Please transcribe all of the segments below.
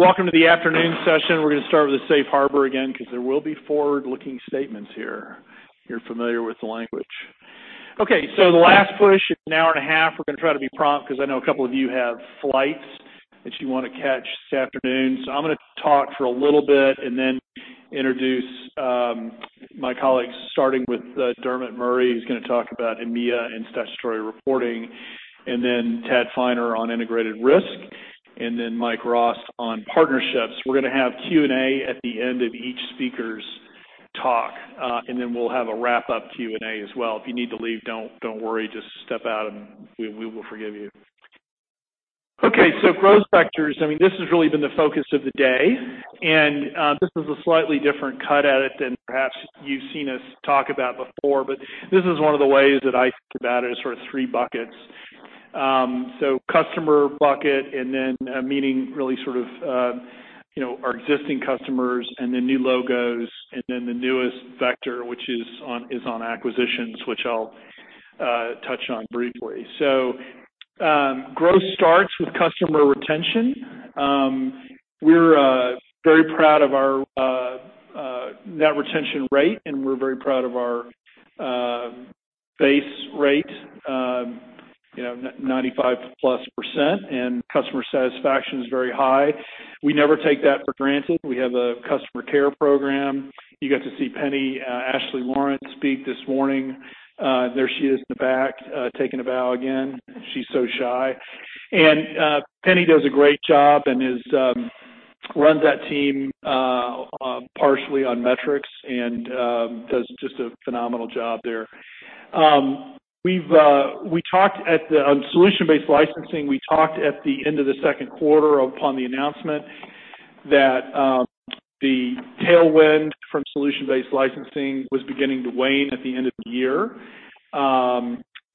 Welcome to the afternoon session. We're going to start with a safe harbor again, because there will be forward-looking statements here. You're familiar with the language. Okay, the last push. It's an hour and a half. We're going to try to be prompt, because I know a couple of you have flights that you want to catch this afternoon. I'm going to talk for a little bit and then introduce my colleagues, starting with Dermot Murray, who's going to talk about EMEA and statutory reporting, and then Tad Finer on integrated risk, and then Mike Rost on partnerships. We're going to have Q&A at the end of each speaker's talk, and then we'll have a wrap-up Q&A as well. If you need to leave, don't worry. Just step out and we will forgive you. Okay, growth vectors. This has really been the focus of the day, and this is a slightly different cut at it than perhaps you've seen us talk about before. This is one of the ways that I think about it, is sort of three buckets. Customer bucket, and then meaning really our existing customers, and then new logos, and then the newest vector, which is on acquisitions, which I'll touch on briefly. Growth starts with customer retention. We're very proud of our net retention rate, and we're very proud of our base rate, 95%+, and customer satisfaction is very high. We never take that for granted. We have a customer care program. You got to see Penny Ashley-Lawrence speak this morning. There she is in the back, taking a bow again. She's so shy. Penny does a great job and runs that team partially on metrics, and does just a phenomenal job there. On solution-based licensing, we talked at the end of the second quarter upon the announcement that the tailwind from solution-based licensing was beginning to wane at the end of the year.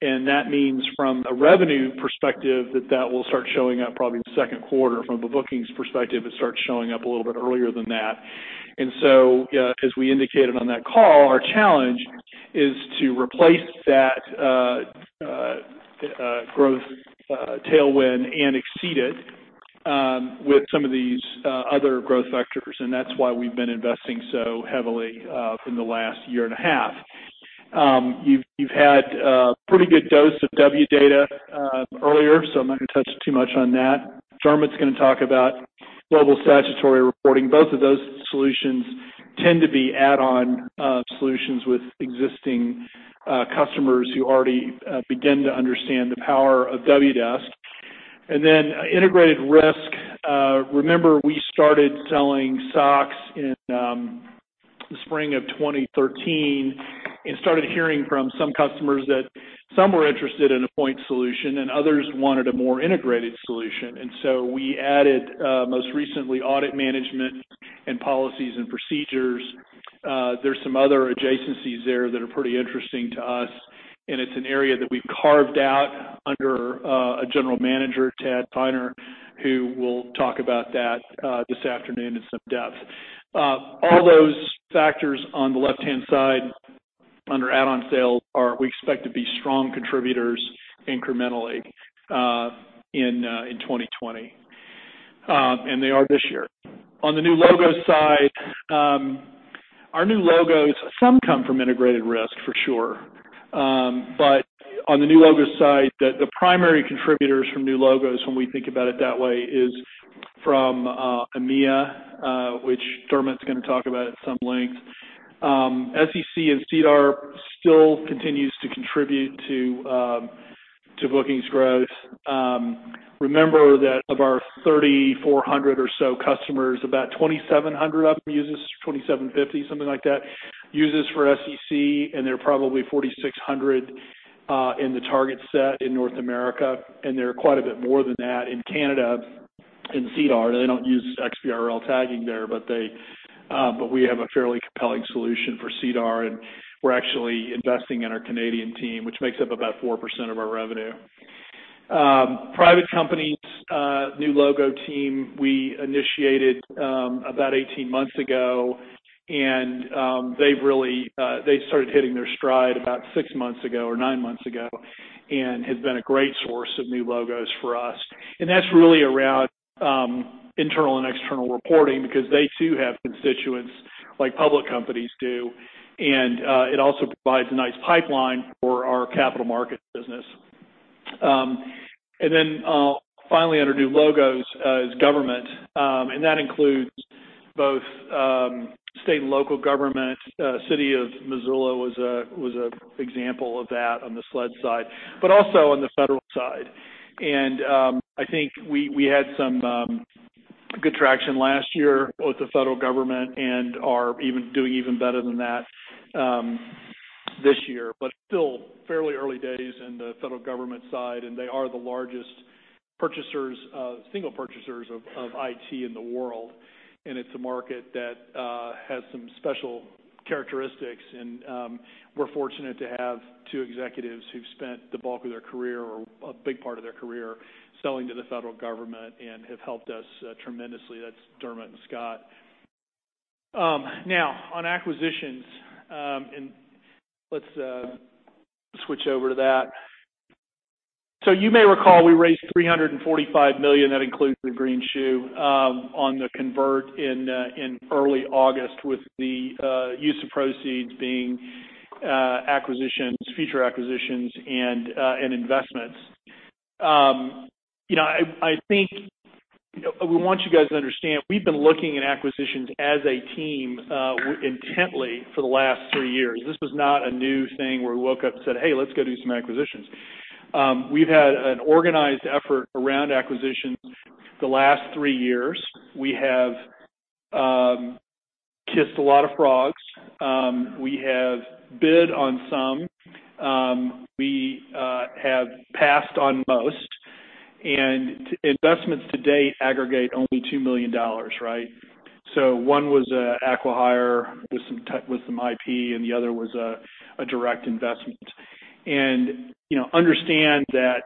That means, from a revenue perspective, that that will start showing up probably in the second quarter. From a bookings perspective, it starts showing up a little bit earlier than that. As we indicated on that call, our challenge is to replace that growth tailwind and exceed it with some of these other growth vectors, and that's why we've been investing so heavily in the last year and a half. You've had a pretty good dose of Wdata earlier, I'm not going to touch too much on that. Dermot's going to talk about Global Statutory Reporting. Both of those solutions tend to be add-on solutions with existing customers who already begin to understand the power of Wdesk. Integrated risk, remember we started selling SOX in the spring of 2013 and started hearing from some customers that some were interested in a point solution, and others wanted a more integrated solution. We added, most recently, audit management and policies and procedures. There's some other adjacencies there that are pretty interesting to us, and it's an area that we've carved out under a general manager, Tad Finer, who will talk about that this afternoon in some depth. All those factors on the left-hand side under add-on sales are we expect to be strong contributors incrementally in 2020. They are this year. On the new logo side, our new logos, some come from integrated risk for sure. On the new logo side, the primary contributors from new logos, when we think about it that way, is from EMEA, which Dermot's going to talk about at some length. SEC and SEDAR still continues to contribute to bookings growth. Remember that of our 3,400 or so customers, about 2,700 of them use us, 2,750, something like that, use us for SEC, and there are probably 4,600 in the target set in North America, and there are quite a bit more than that in Canada in SEDAR. They don't use XBRL tagging there, but we have a fairly compelling solution for SEDAR, and we're actually investing in our Canadian team, which makes up about 4% of our revenue. Private companies, new logo team, we initiated about 18 months ago, and they started hitting their stride about six months ago or nine months ago, and has been a great source of new logos for us. That's really around internal and external reporting because they too have constituents like public companies do, and it also provides a nice pipeline for our capital markets business. Finally, under new logos, is government, and that includes both state and local government. City of Missoula was an example of that on the SLED side, but also on the federal side. I think we had some good traction last year with the federal government and are doing even better than that this year. Still fairly early days in the federal government side, and they are the largest single purchasers of IT in the world, and it's a market that has some special characteristics, and we're fortunate to have two executives who've spent the bulk of their career, or a big part of their career, selling to the federal government and have helped us tremendously. That's Dermot and Scott. On acquisitions, and let's switch over to that. You may recall, we raised $345 million, that includes the green shoe, on the convert in early August with the use of proceeds being acquisitions, future acquisitions, and investments. I think we want you guys to understand, we've been looking at acquisitions as a team intently for the last three years. This was not a new thing where we woke up and said, hey, let's go do some acquisitions. We've had an organized effort around acquisitions the last three years. We have kissed a lot of frogs. We have bid on some. We have passed on most. Investments to date aggregate only $2 million. One was a acqui-hire with some IP and the other was a direct investment. Understand that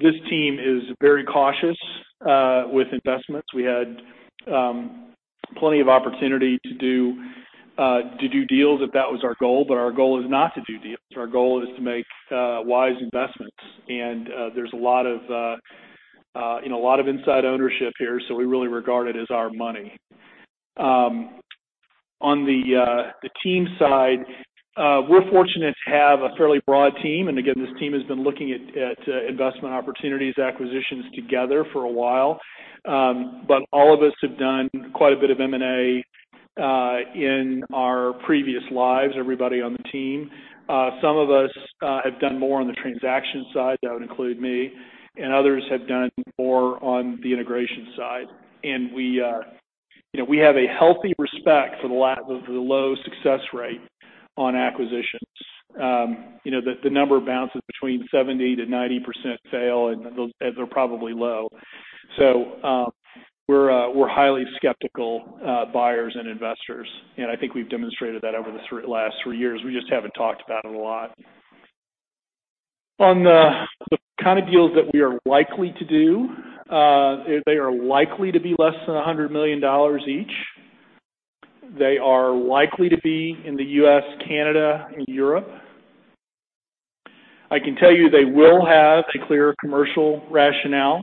this team is very cautious with investments. We had plenty of opportunity to do deals if that was our goal, but our goal is not to do deals. Our goal is to make wise investments. There's a lot of inside ownership here, so we really regard it as our money. On the team side, we're fortunate to have a fairly broad team, and again, this team has been looking at investment opportunities, acquisitions together for a while. All of us have done quite a bit of M&A in our previous lives, everybody on the team. Some of us have done more on the transaction side, that would include me, and others have done more on the integration side. We have a healthy respect for the low success rate on acquisitions. The number bounces between 70%-90% fail, and they're probably low. We're highly skeptical buyers and investors, and I think we've demonstrated that over the last three years. We just haven't talked about it a lot. On the kind of deals that we are likely to do, they are likely to be less than $100 million each. They are likely to be in the U.S., Canada, and Europe. I can tell you they will have a clear commercial rationale.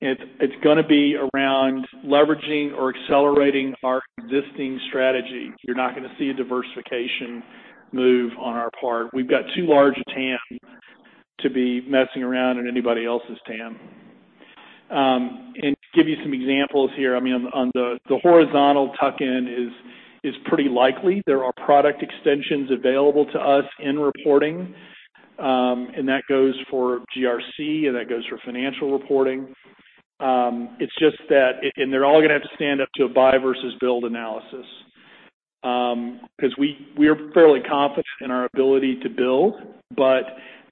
It's going to be around leveraging or accelerating our existing strategy. You're not going to see a diversification move on our part. We've got too large a TAM to be messing around in anybody else's TAM. To give you some examples here, the horizontal tuck-in is pretty likely. There are product extensions available to us in reporting, and that goes for GRC, and that goes for financial reporting. They're all going to have to stand up to a buy versus build analysis. We are fairly confident in our ability to build, but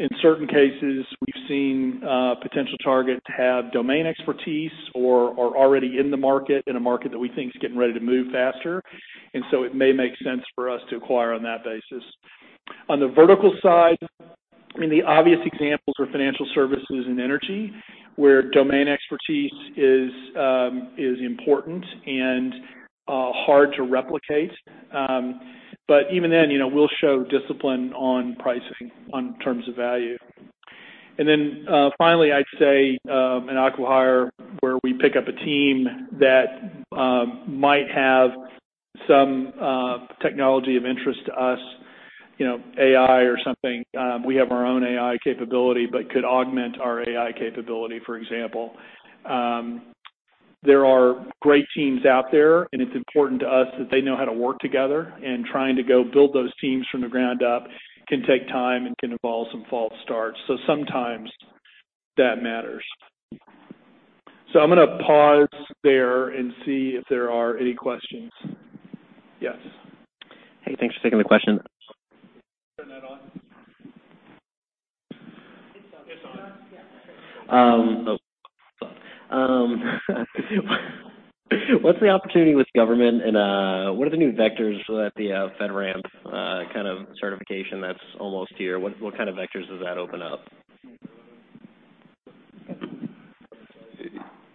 in certain cases, we've seen potential targets have domain expertise or are already in the market, in a market that we think is getting ready to move faster. It may make sense for us to acquire on that basis. On the vertical side, the obvious examples are financial services and energy, where domain expertise is important and hard to replicate. Even then, we'll show discipline on pricing, on terms of value. Finally, I'd say an acqui-hire where we pick up a team that might have some technology of interest to us, AI or something. We have our own AI capability, but could augment our AI capability, for example. There are great teams out there, and it's important to us that they know how to work together, and trying to go build those teams from the ground up can take time and can involve some false starts. Sometimes that matters. I'm going to pause there and see if there are any questions. Yes. Hey, thanks for taking the question. What's the opportunity with government, and what are the new vectors that the FedRAMP kind of certification that's almost here, what kind of vectors does that open up?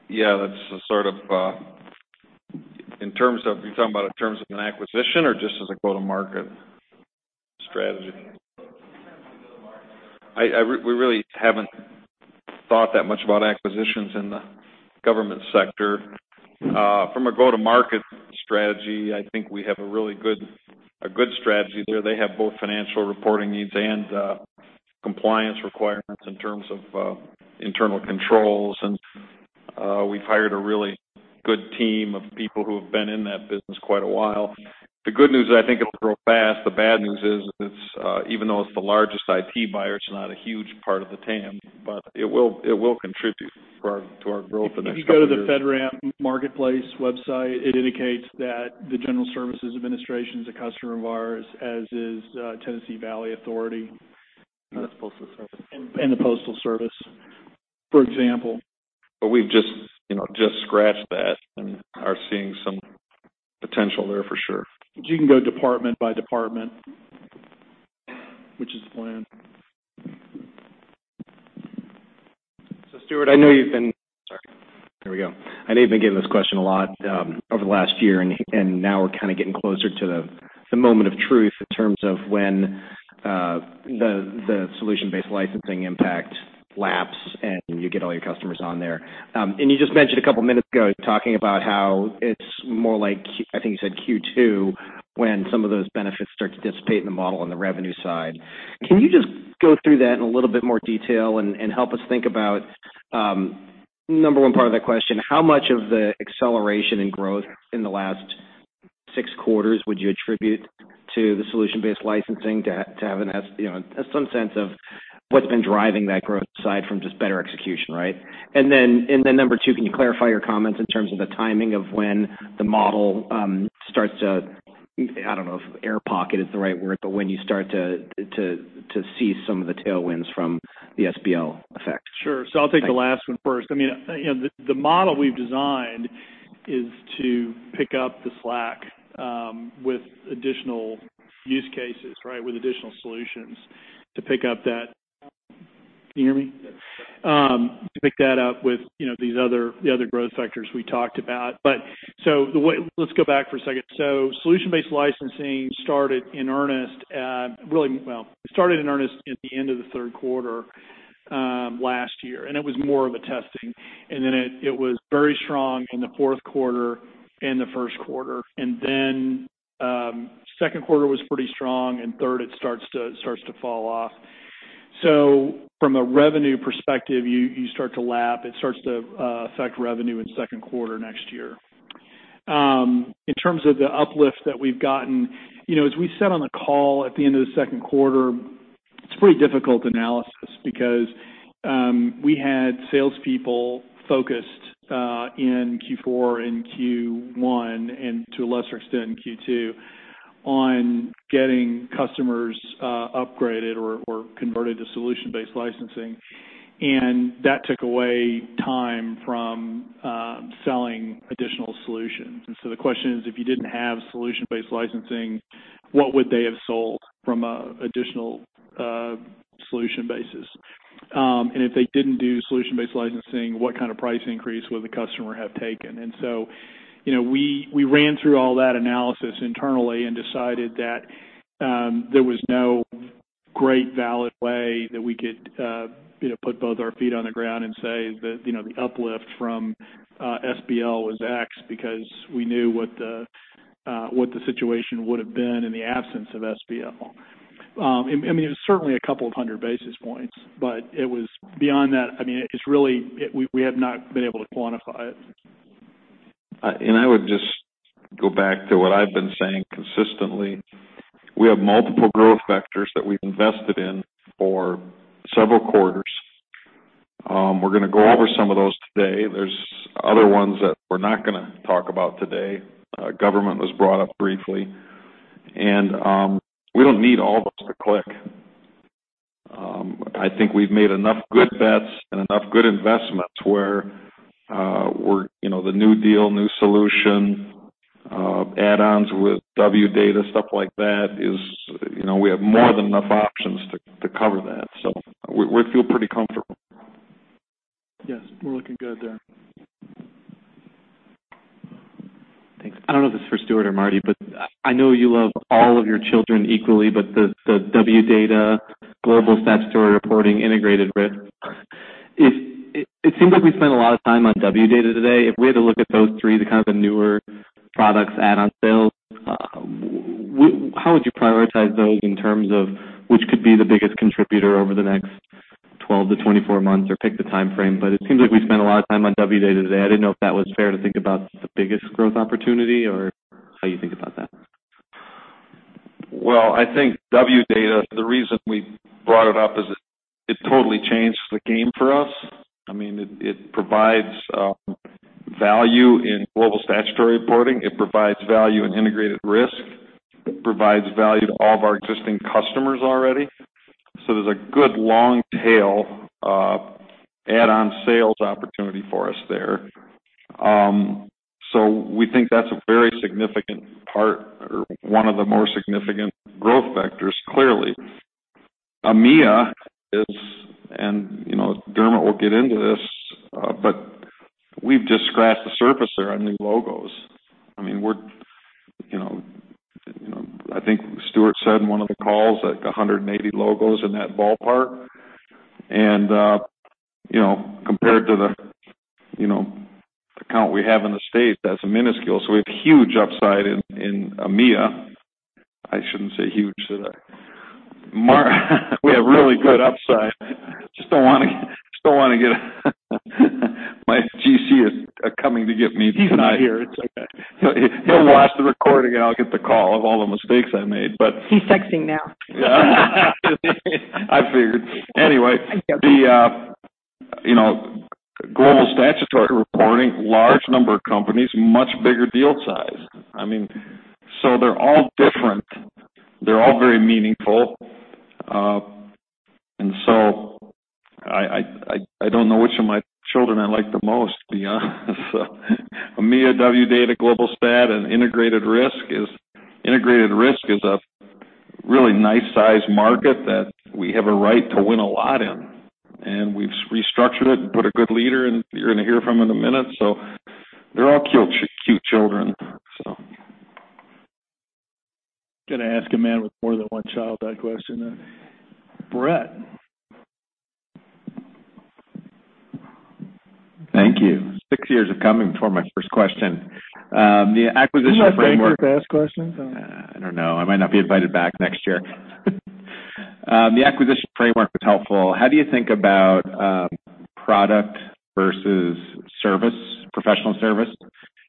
Yeah, are you talking about in terms of an acquisition or just as a go-to-market strategy? We really haven't thought that much about acquisitions in the government sector. From a go-to-market strategy, I think we have a really good strategy there. They have both financial reporting needs and compliance requirements in terms of internal controls, and we've hired a really good team of people who have been in that business quite a while. The good news is I think it'll grow fast. The bad news is, even though it's the largest IT buyer, it's not a huge part of the TAM, but it will contribute to our growth the next couple of years. If you go to the FedRAMP marketplace website, it indicates that the General Services Administration is a customer of ours, as is Tennessee Valley Authority. The Postal Service. The Postal Service, for example. We've just scratched that and are seeing some potential there for sure. You can go department by department, which is the plan. Stuart, I know you've been. There we go. I know you've been getting this question a lot over the last year, now we're kind of getting closer to the moment of truth in terms of when the solution-based licensing impact laps, and you get all your customers on there. You just mentioned a couple of minutes ago, talking about how it's more like, I think you said Q2, when some of those benefits start to dissipate in the model on the revenue side. Can you just go through that in a little bit more detail and help us think about, number one part of that question, how much of the acceleration in growth in the last six quarters would you attribute to the solution-based licensing to have some sense of what's been driving that growth side from just better execution, right? Number two, can you clarify your comments in terms of the timing of when the model starts to, I don't know if air pocket is the right word, but when you start to see some of the tailwinds from the SBL effect? Sure. I'll take the last one first. The model we've designed is to pick up the slack with additional use cases with additional solutions. Can you hear me? Yes. To pick that up with the other growth factors we talked about. Let's go back for a second. Solution-based licensing started in earnest at the end of the third quarter last year, and it was more of a testing. It was very strong in the fourth quarter and the first quarter, second quarter was pretty strong, third, it starts to fall off. From a revenue perspective, you start to lap. It starts to affect revenue in second quarter next year. In terms of the uplift that we've gotten, as we said on the call at the end of the second quarter, it's a pretty difficult analysis because we had salespeople focused in Q4 and Q1, and to a lesser extent, in Q2, on getting customers upgraded or converted to solution-based licensing. That took away time from selling additional solutions. The question is, if you didn't have solution-based licensing, what would they have sold from additional solution bases? If they didn't do solution-based licensing, what kind of price increase would the customer have taken? We ran through all that analysis internally and decided that there was no great valid way that we could put both our feet on the ground and say that the uplift from SBL was X because we knew what the situation would have been in the absence of SBL. It was certainly a couple of hundred basis points, but beyond that, we have not been able to quantify it. I would just go back to what I've been saying consistently. We have multiple growth vectors that we've invested in for several quarters. We're going to go over some of those today. There's other ones that we're not going to talk about today. Government was brought up briefly. We don't need all of them to click. I think we've made enough good bets and enough good investments where the new deal, new solution, add-ons with Wdata, stuff like that is, we have more than enough options to cover that. We feel pretty comfortable. Yes. We're looking good there. Thanks. I don't know if this is for Stuart or Marty, but I know you love all of your children equally, but the Wdata, Global Statutory Reporting, Integrated Risk. It seems like we spent a lot of time on Wdata today. If we had to look at those three, the kind of the newer products add-on sales, how would you prioritize those in terms of which could be the biggest contributor over the next 12 to 24 months, or pick the time frame? It seems like we spent a lot of time on Wdata today. I didn't know if that was fair to think about the biggest growth opportunity or how you think about that. Well, I think Wdata, the reason we brought it up is it totally changed the game for us. It provides value in Global Statutory Reporting. It provides value in integrated risk. It provides value to all of our existing customers already. There's a good long tail add-on sales opportunity for us there. We think that's a very significant part or one of the more significant growth vectors, clearly. EMEA is, Dermot will get into this, we've just scratched the surface there on new logos. I think Stuart said in one of the calls, 180 logos in that ballpark. Compared to the count we have in the states, that's minuscule. We have huge upside in EMEA. I shouldn't say huge, should I? We have really good upside. My GC is coming to get me tonight. He's not here. It's okay. He'll watch the recording, and I'll get the call of all the mistakes I made. He's texting now. I figured. The Global Statutory Reporting, large number of companies, much bigger deal size. They're all different. They're all very meaningful. I don't know which of my children I like the most, to be honest. EMEA, Wdata, Global Stat, and Integrated Risk is a really nice size market that we have a right to win a lot in, and we've restructured it and put a good leader in you're going to hear from in a minute. They're all cute children. Going to ask a man with more than one child that question. Brett? Thank you. Six years of coming before my first question. The acquisition framework- To ask questions. I don't know. I might not be invited back next year. The acquisition framework was helpful. How do you think about product versus professional service,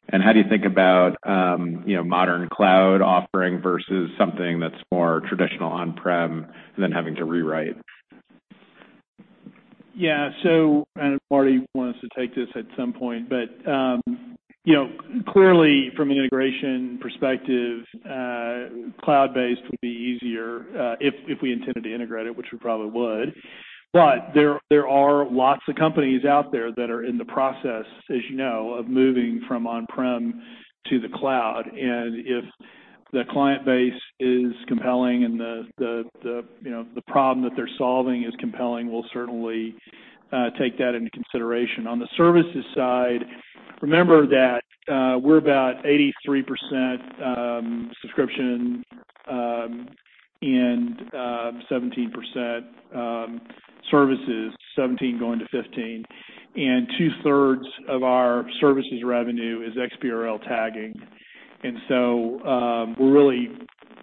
and how do you think about modern cloud offering versus something that's more traditional on-prem than having to rewrite? Marty wants to take this at some point, clearly from an integration perspective, cloud-based would be easier, if we intended to integrate it, which we probably would. There are lots of companies out there that are in the process, as you know, of moving from on-prem to the cloud. If the client base is compelling and the problem that they're solving is compelling, we'll certainly take that into consideration. On the services side, remember that we're about 83% subscription, 17% services, 17% going to 15%, 2/3 of our services revenue is XBRL tagging,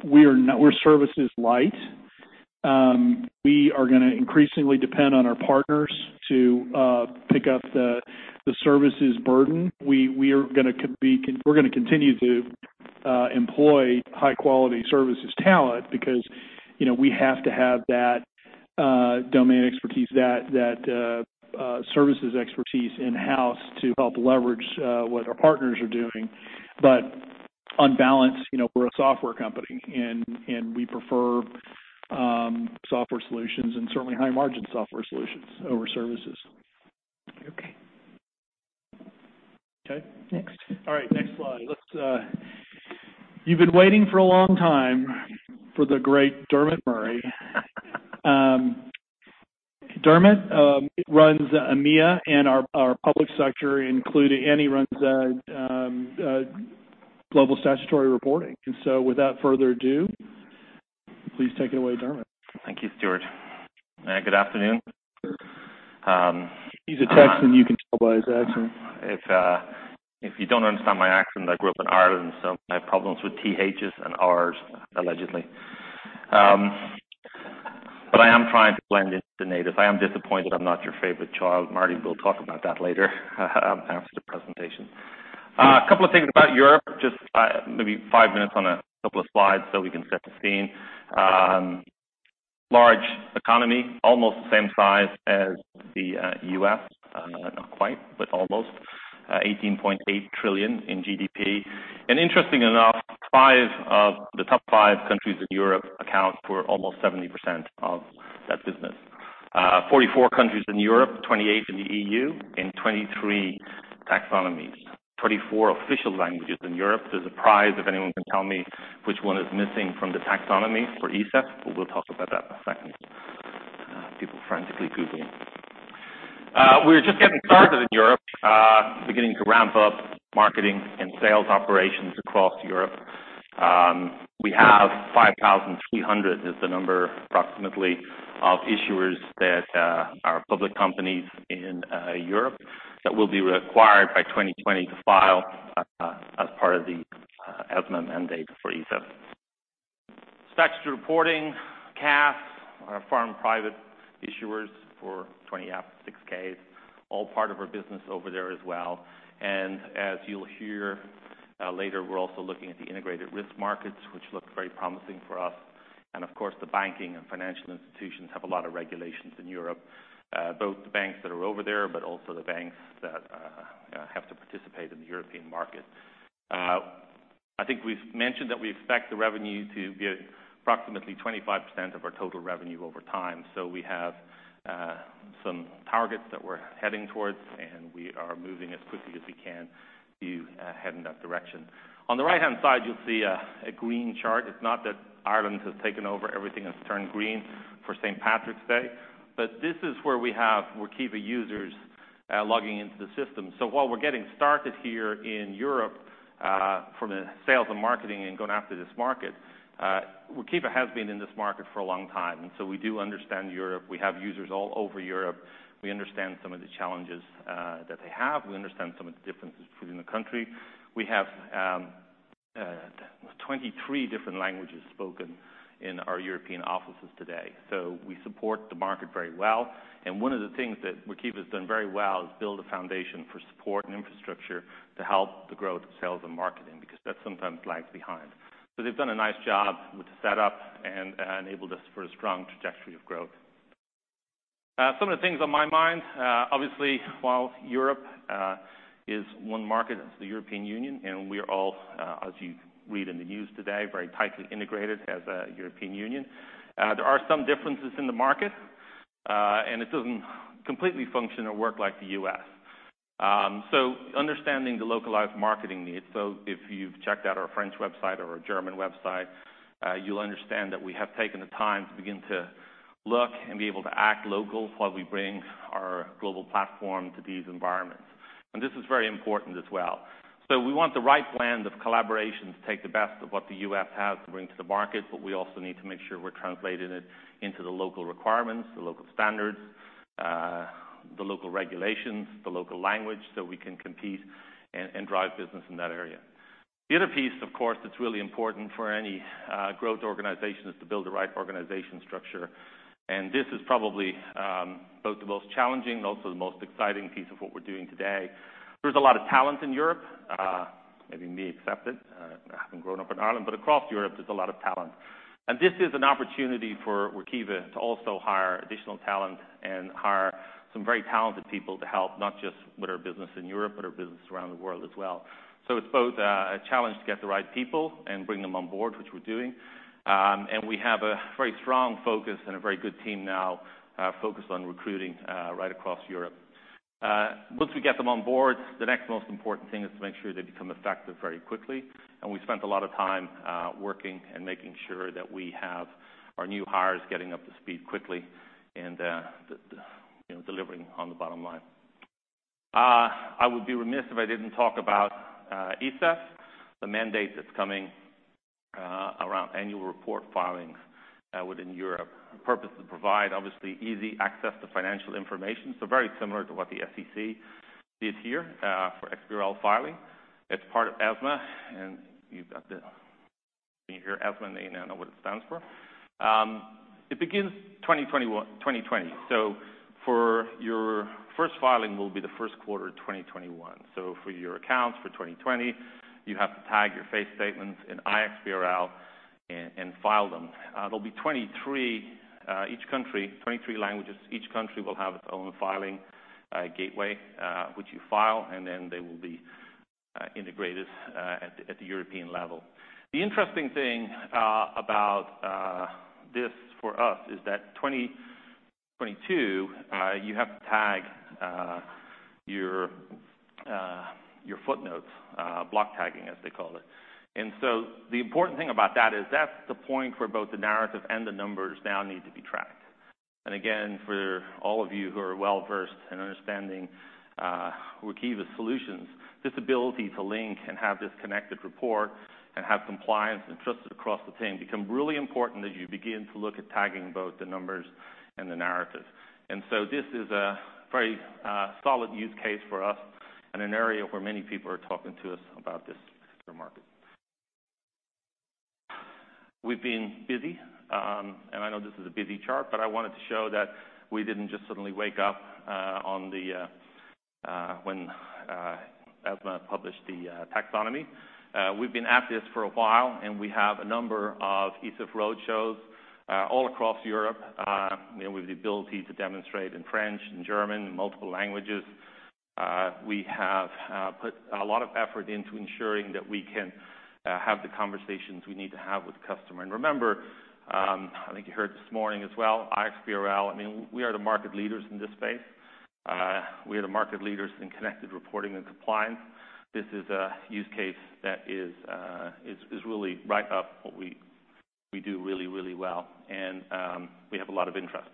we're services light. We are going to increasingly depend on our partners to pick up the services burden. We're going to continue to employ high-quality services talent because we have to have that domain expertise, that services expertise in-house to help leverage what our partners are doing. On balance, we're a software company, and we prefer software solutions and certainly high-margin software solutions over services. Okay. Okay. Next. All right, next slide. You've been waiting for a long time for the great Dermot Murray. Dermot runs EMEA and our public sector, and he runs Global Statutory Reporting. Without further ado, please take it away, Dermot. Thank you, Stuart. Good afternoon. He's a Texan, you can tell by his accent. If you don't understand my accent, I grew up in Ireland, so I have problems with THs and Rs, allegedly. I am trying to blend into the natives. I am disappointed I'm not your favorite child, Marty. We'll talk about that later after the presentation. A couple of things about Europe, just maybe five minutes on a couple of slides so we can set the scene. Large economy, almost the same size as the U.S. Not quite, but almost. $18.8 trillion in GDP. Interesting enough, five of the top five countries in Europe account for almost 70% of that business. 44 countries in Europe, 28 in the EU, and 23 taxonomies. 24 official languages in Europe. There's a prize if anyone can tell me which one is missing from the taxonomy for ESEF, we'll talk about that in a second. People frantically Googling. We're just getting started in Europe, beginning to ramp up marketing and sales operations across Europe. We have 5,300 is the number, approximately, of issuers that are public companies in Europe that will be required by 2020 to file as part of the ESMA mandate for ESEF. Statutory reporting, CAS, our foreign private issuers for 20F, 6-Ks, all part of our business over there as well. As you'll hear later, we're also looking at the integrated risk markets, which look very promising for us, and of course, the banking and financial institutions have a lot of regulations in Europe, both the banks that are over there, but also the banks that have to participate in the European market. I think we've mentioned that we expect the revenue to be approximately 25% of our total revenue over time. We have some targets that we're heading towards, and we are moving as quickly as we can to head in that direction. On the right-hand side, you'll see a green chart. It's not that Ireland has taken over, everything has turned green for St. Patrick's Day. This is where we have Workiva users logging into the system. While we're getting started here in Europe, from the sales and marketing and going after this market, Workiva has been in this market for a long time, we do understand Europe. We have users all over Europe. We understand some of the challenges that they have. We understand some of the differences between the country. We have 23 different languages spoken in our European offices today. We support the market very well, and one of the things that Workiva's done very well is build a foundation for support and infrastructure to help the growth of sales and marketing, because that sometimes lags behind. They've done a nice job with the setup and enabled us for a strong trajectory of growth. Some of the things on my mind, obviously, while Europe is one market, it's the European Union, and we're all, as you read in the news today, very tightly integrated as a European Union. There are some differences in the market, and it doesn't completely function or work like the U.S. Understanding the localized marketing needs. If you've checked out our French website or our German website, you'll understand that we have taken the time to begin to look and be able to act local while we bring our global platform to these environments. This is very important as well. We want the right blend of collaboration to take the best of what the U.S. has to bring to the market, but we also need to make sure we're translating it into the local requirements, the local standards, the local regulations, the local language, so we can compete and drive business in that area. The other piece, of course, that's really important for any growth organization is to build the right organization structure. This is probably both the most challenging, also the most exciting piece of what we're doing today. There's a lot of talent in Europe, maybe me excepted, having grown up in Ireland, but across Europe, there's a lot of talent. This is an opportunity for Workiva to also hire additional talent and hire some very talented people to help, not just with our business in Europe, but our business around the world as well. It's both a challenge to get the right people and bring them on board, which we're doing. We have a very strong focus and a very good team now focused on recruiting right across Europe. Once we get them on board, the next most important thing is to make sure they become effective very quickly, and we spent a lot of time working and making sure that we have our new hires getting up to speed quickly and delivering on the bottom line. I would be remiss if I didn't talk about ESEF, the mandate that's coming around annual report filings within Europe. The purpose is to provide, obviously, easy access to financial information, so very similar to what the SEC did here for XBRL filing. It's part of ESMA, and when you hear ESMA name, now know what it stands for. It begins 2020. For your first filing will be the first quarter of 2021. For your accounts for 2020, you have to tag your face statements in iXBRL and file them. There'll be 23 languages. Each country will have its own filing gateway, which you file, and then they will be integrated at the European level. The interesting thing about this for us is that 2022, you have to tag your footnotes, block tagging, as they call it. The important thing about that is that's the point for both the narrative and the numbers now need to be tracked. Again, for all of you who are well-versed in understanding Workiva solutions, this ability to link and have this connected report and have compliance and trusted across the team become really important as you begin to look at tagging both the numbers and the narrative. This is a very solid use case for us and an area where many people are talking to us about this for market. We've been busy, and I know this is a busy chart, but I wanted to show that we didn't just suddenly wake up when ESMA published the taxonomy. We've been at this for a while, and we have a number of ESEF road shows all across Europe, with the ability to demonstrate in French and German and multiple languages. We have put a lot of effort into ensuring that we can have the conversations we need to have with the customer. Remember, I think you heard this morning as well, iXBRL, we are the market leaders in this space. We are the market leaders in connected reporting and compliance. This is a use case that is really right up what we do really well, and we have a lot of interest.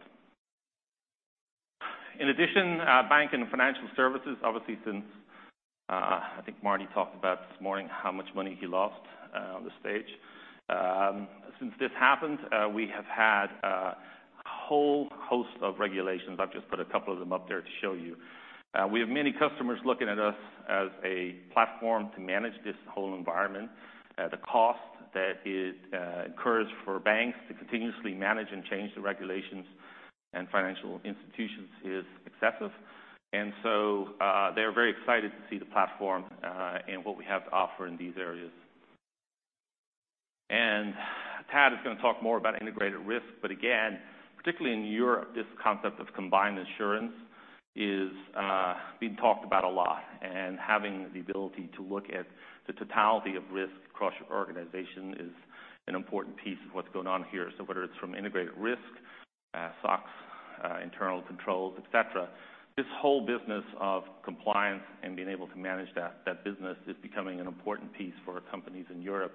In addition, bank and financial services, obviously since, I think Marty talked about this morning how much money he lost on the stage. Since this happened, we have had a whole host of regulations. I've just put a couple of them up there to show you. We have many customers looking at us as a platform to manage this whole environment. The cost that it incurs for banks to continuously manage and change the regulations and financial institutions is excessive. They're very excited to see the platform, and what we have to offer in these areas. Tad is going to talk more about integrated risk, again, particularly in Europe, this concept of combined assurance is being talked about a lot, and having the ability to look at the totality of risk across your organization is an important piece of what's going on here. Whether it's from integrated risk, SOX, internal controls, et cetera, this whole business of compliance and being able to manage that business is becoming an important piece for companies in Europe.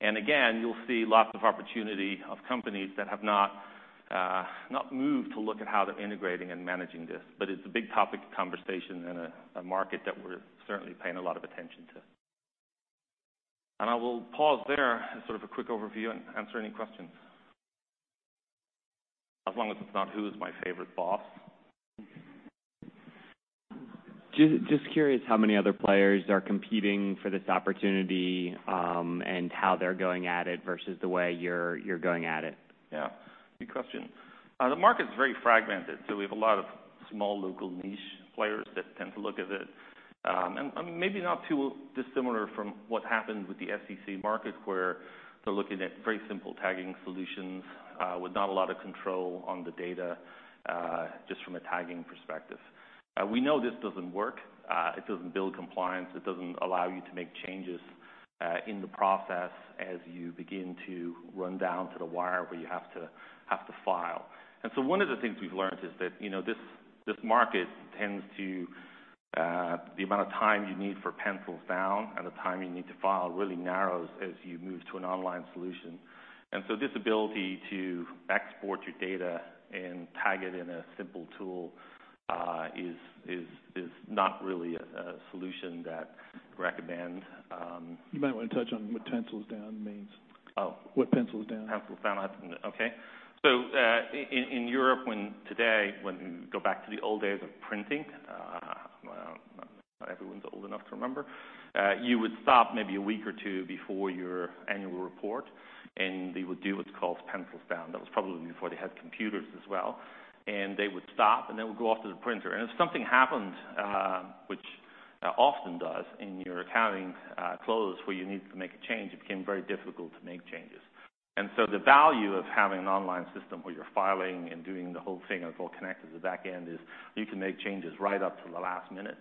Again, you'll see lots of opportunity of companies that have not moved to look at how they're integrating and managing this. It's a big topic of conversation and a market that we're certainly paying a lot of attention to. I will pause there as sort of a quick overview and answer any questions. As long as it's not who's my favorite boss. Just curious how many other players are competing for this opportunity, and how they're going at it versus the way you're going at it. Yeah. Good question. The market's very fragmented, so we have a lot of small local niche players that tend to look at it. Maybe not too dissimilar from what happened with the SEC market where they're looking at very simple tagging solutions, with not a lot of control on the data, just from a tagging perspective. We know this doesn't work. It doesn't build compliance. It doesn't allow you to make changes in the process, as you begin to run down to the wire where you have to file. One of the things we've learned is that this market tends to The amount of time you need for pencils down and the time you need to file really narrows as you move to an online solution. This ability to export your data and tag it in a simple tool is not really a solution that I recommend. You might want to touch on what pencils down means. Oh. What pencils down. Pencils down. Okay. In Europe today, when you go back to the old days of printing, well, not everyone's old enough to remember. You would stop maybe a week or two before your annual report, and they would do what's called pencils down. That was probably before they had computers as well. They would stop, and they would go off to the printer. If something happened, which it often does, in your accounting close where you needed to make a change, it became very difficult to make changes. The value of having an online system where you're filing and doing the whole thing and it's all connected at the back end is you can make changes right up to the last minute,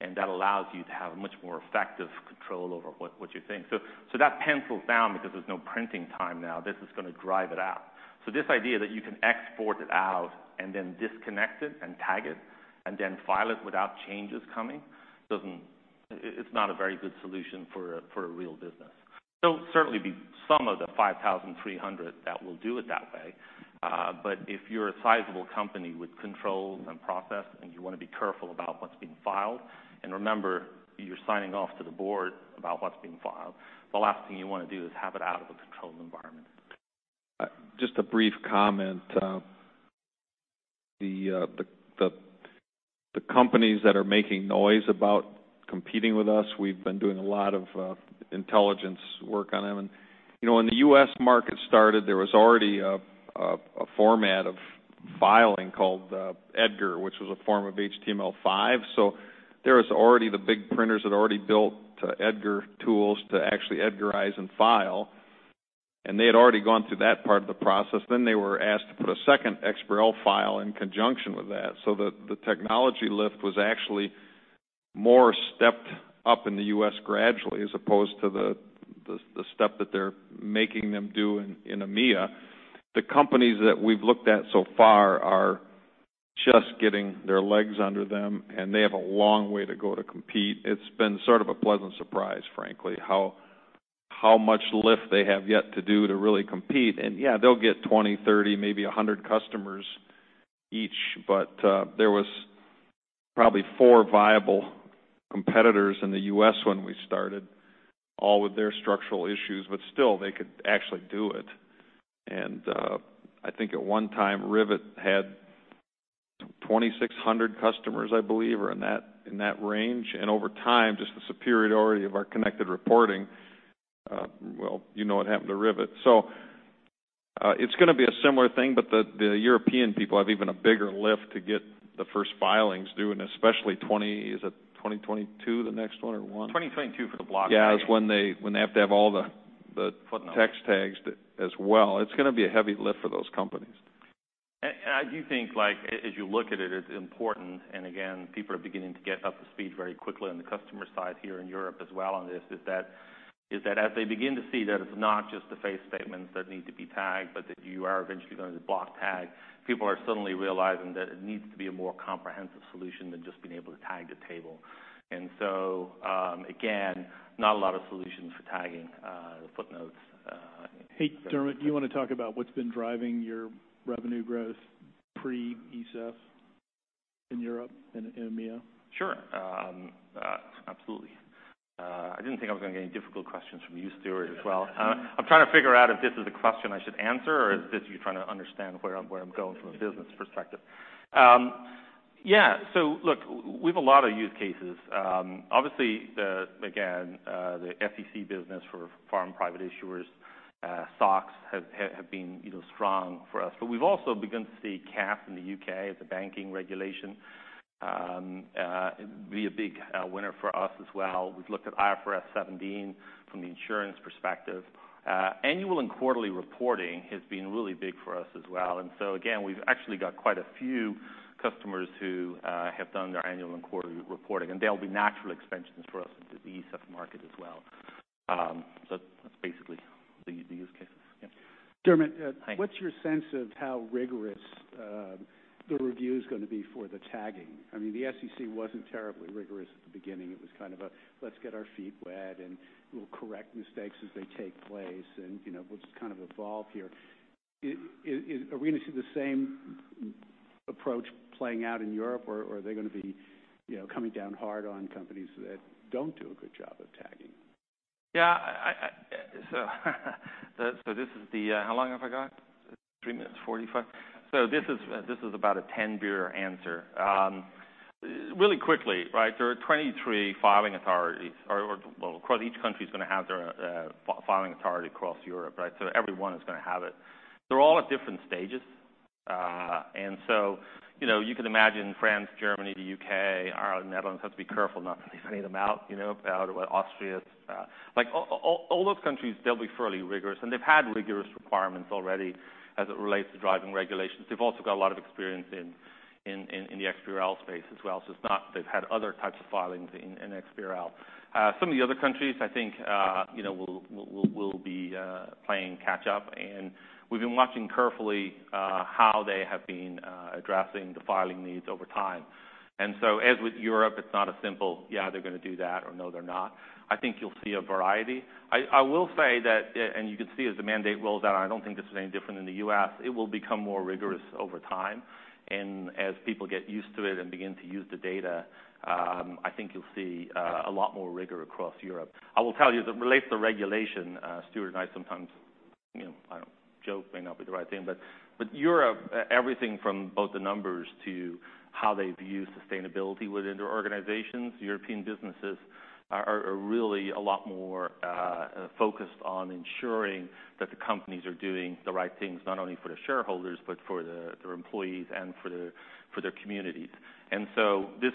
and that allows you to have much more effective control over what you think. That's pencils down because there's no printing time now. This is going to drive it out. This idea that you can export it out and then disconnect it and tag it, and then file it without changes coming, it's not a very good solution for a real business. There will certainly be some of the 5,300 that will do it that way, but if you're a sizable company with controls and process, and you want to be careful about what's being filed, and remember, you're signing off to the board about what's being filed, the last thing you want to do is have it out of a controlled environment. Just a brief comment. The companies that are making noise about competing with us, we've been doing a lot of intelligence work on them. When the U.S. market started, there was already a format of filing called EDGAR, which was a form of HTML. There was already the big printers that already built EDGAR tools to actually EDGARize and file, and they had already gone through that part of the process. They were asked to put a second XBRL file in conjunction with that so that the technology lift was actually more stepped up in the U.S. gradually, as opposed to the step that they're making them do in EMEA. The companies that we've looked at so far are just getting their legs under them, and they have a long way to go to compete. It's been sort of a pleasant surprise, frankly, how much lift they have yet to do to really compete. Yeah, they'll get 20, 30, maybe 100 customers each. There was probably four viable competitors in the U.S. when we started, all with their structural issues, but still, they could actually do it. I think at one time, Rivet had 2,600 customers, I believe, or in that range. Over time, just the superiority of our connected reporting, well, you know what happened to Rivet. It's going to be a similar thing, but the European people have even a bigger lift to get the first filings due, and especially, is it 2022, the next one, or one? 2022 for the block tag. Yeah. It's when they have to have all the- Footnotes ...text tags as well. It's going to be a heavy lift for those companies. I do think as you look at it's important, and again, people are beginning to get up to speed very quickly on the customer side here in Europe as well on this, is that as they begin to see that it's not just the face statements that need to be tagged, but that you are eventually going to block tag, people are suddenly realizing that it needs to be a more comprehensive solution than just being able to tag a table. Again, not a lot of solutions for tagging the footnotes. Hey, Dermot, do you want to talk about what's been driving your revenue growth pre-ESEF in Europe and EMEA? Sure. Absolutely. I didn't think I was going to get any difficult questions from you, Stuart, as well. I'm trying to figure out if this is a question I should answer, or is this you trying to understand where I'm going from a business perspective. Yeah. Look, we have a lot of use cases. Obviously, again, the SEC business for foreign private issuers, SOX, have been strong for us. We've also begun to see CAF in the U.K. as a banking regulation. It'd be a big winner for us as well. We've looked at IFRS 17 from the insurance perspective. Annual and quarterly reporting has been really big for us as well, and so again, we've actually got quite a few customers who have done their annual and quarterly reporting, and they'll be natural expansions for us into the ESEF market as well. That's basically the use cases. Yeah. Dermot- Hi. What's your sense of how rigorous the review's going to be for the tagging? The SEC wasn't terribly rigorous at the beginning. It was kind of a, let's get our feet wet, and we'll correct mistakes as they take place, and we'll just kind of evolve here. Are we going to see the same approach playing out in Europe, or are they going to be coming down hard on companies that don't do a good job of tagging? Yeah. This is the how long have I got? Three minutes 45. This is about a 10-beer answer. Really quickly, right, there are 23 filing authorities, or well, of course, each country's going to have their filing authority across Europe, right? Every one is going to have it. They're all at different stages. So, you can imagine France, Germany, the U.K., Ireland, Netherlands have to be careful not to leave any of them out. Austria. All those countries, they'll be fairly rigorous, and they've had rigorous requirements already as it relates to driving regulations. They've also got a lot of experience in the XBRL space as well. It's not they've had other types of filings in XBRL. Some of the other countries, I think, will be playing catch up, and we've been watching carefully how they have been addressing the filing needs over time. As with Europe, it's not a simple, yeah, they're going to do that, or, no, they're not. I think you'll see a variety. I will say that, and you can see as the mandate rolls out, I don't think this is any different in the U.S., it will become more rigorous over time. As people get used to it and begin to use the data, I think you'll see a lot more rigor across Europe. I will tell you, as it relates to regulation, Stuart and I sometimes, joke may not be the right thing, but Europe, everything from both the numbers to how they view sustainability within their organizations, European businesses are really a lot more focused on ensuring that the companies are doing the right things, not only for the shareholders, but for their employees and for their communities. This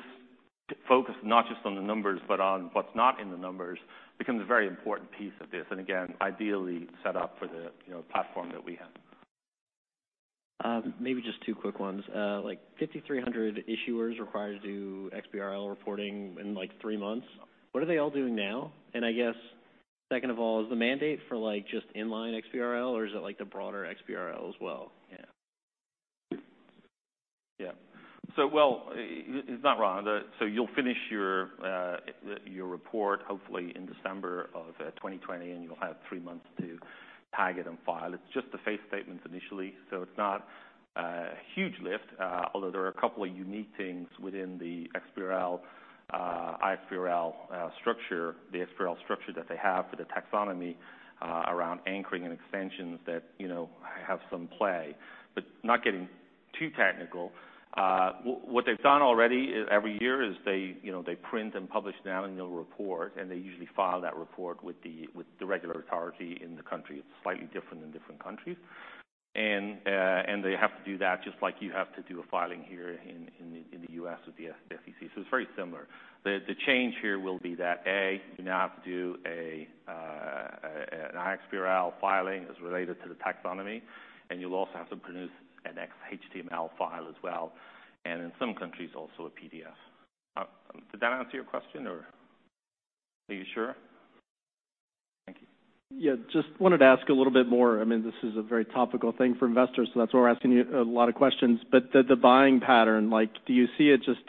focus, not just on the numbers, but on what's not in the numbers, becomes a very important piece of this, and again, ideally set up for the platform that we have. Maybe just two quick ones. 5,300 issuers required to do XBRL reporting in three months. What are they all doing now? I guess second of all, is the mandate for just inline XBRL, or is it the broader XBRL as well? Yeah. Well, it's not wrong. You'll finish your report hopefully in December of 2020, and you'll have three months to tag it and file. It's just the face statements initially, so it's not a huge lift. Although there are a couple of unique things within the XBRL, iXBRL structure, the XBRL structure that they have for the taxonomy around anchoring and extensions that have some play. Not getting too technical, what they've done already, every year, is they print and publish an annual report, and they usually file that report with the regular authority in the country. It's slightly different in different countries. They have to do that just like you have to do a filing here in the U.S. with the SEC. It's very similar. The change here will be that, A, you now have to do an iXBRL filing as related to the taxonomy, and you'll also have to produce an XHTML file as well, and in some countries, also a PDF. Did that answer your question, or are you sure? Thank you. Yeah, just wanted to ask a little bit more. This is a very topical thing for investors. That's why we're asking you a lot of questions. The buying pattern, do you see it just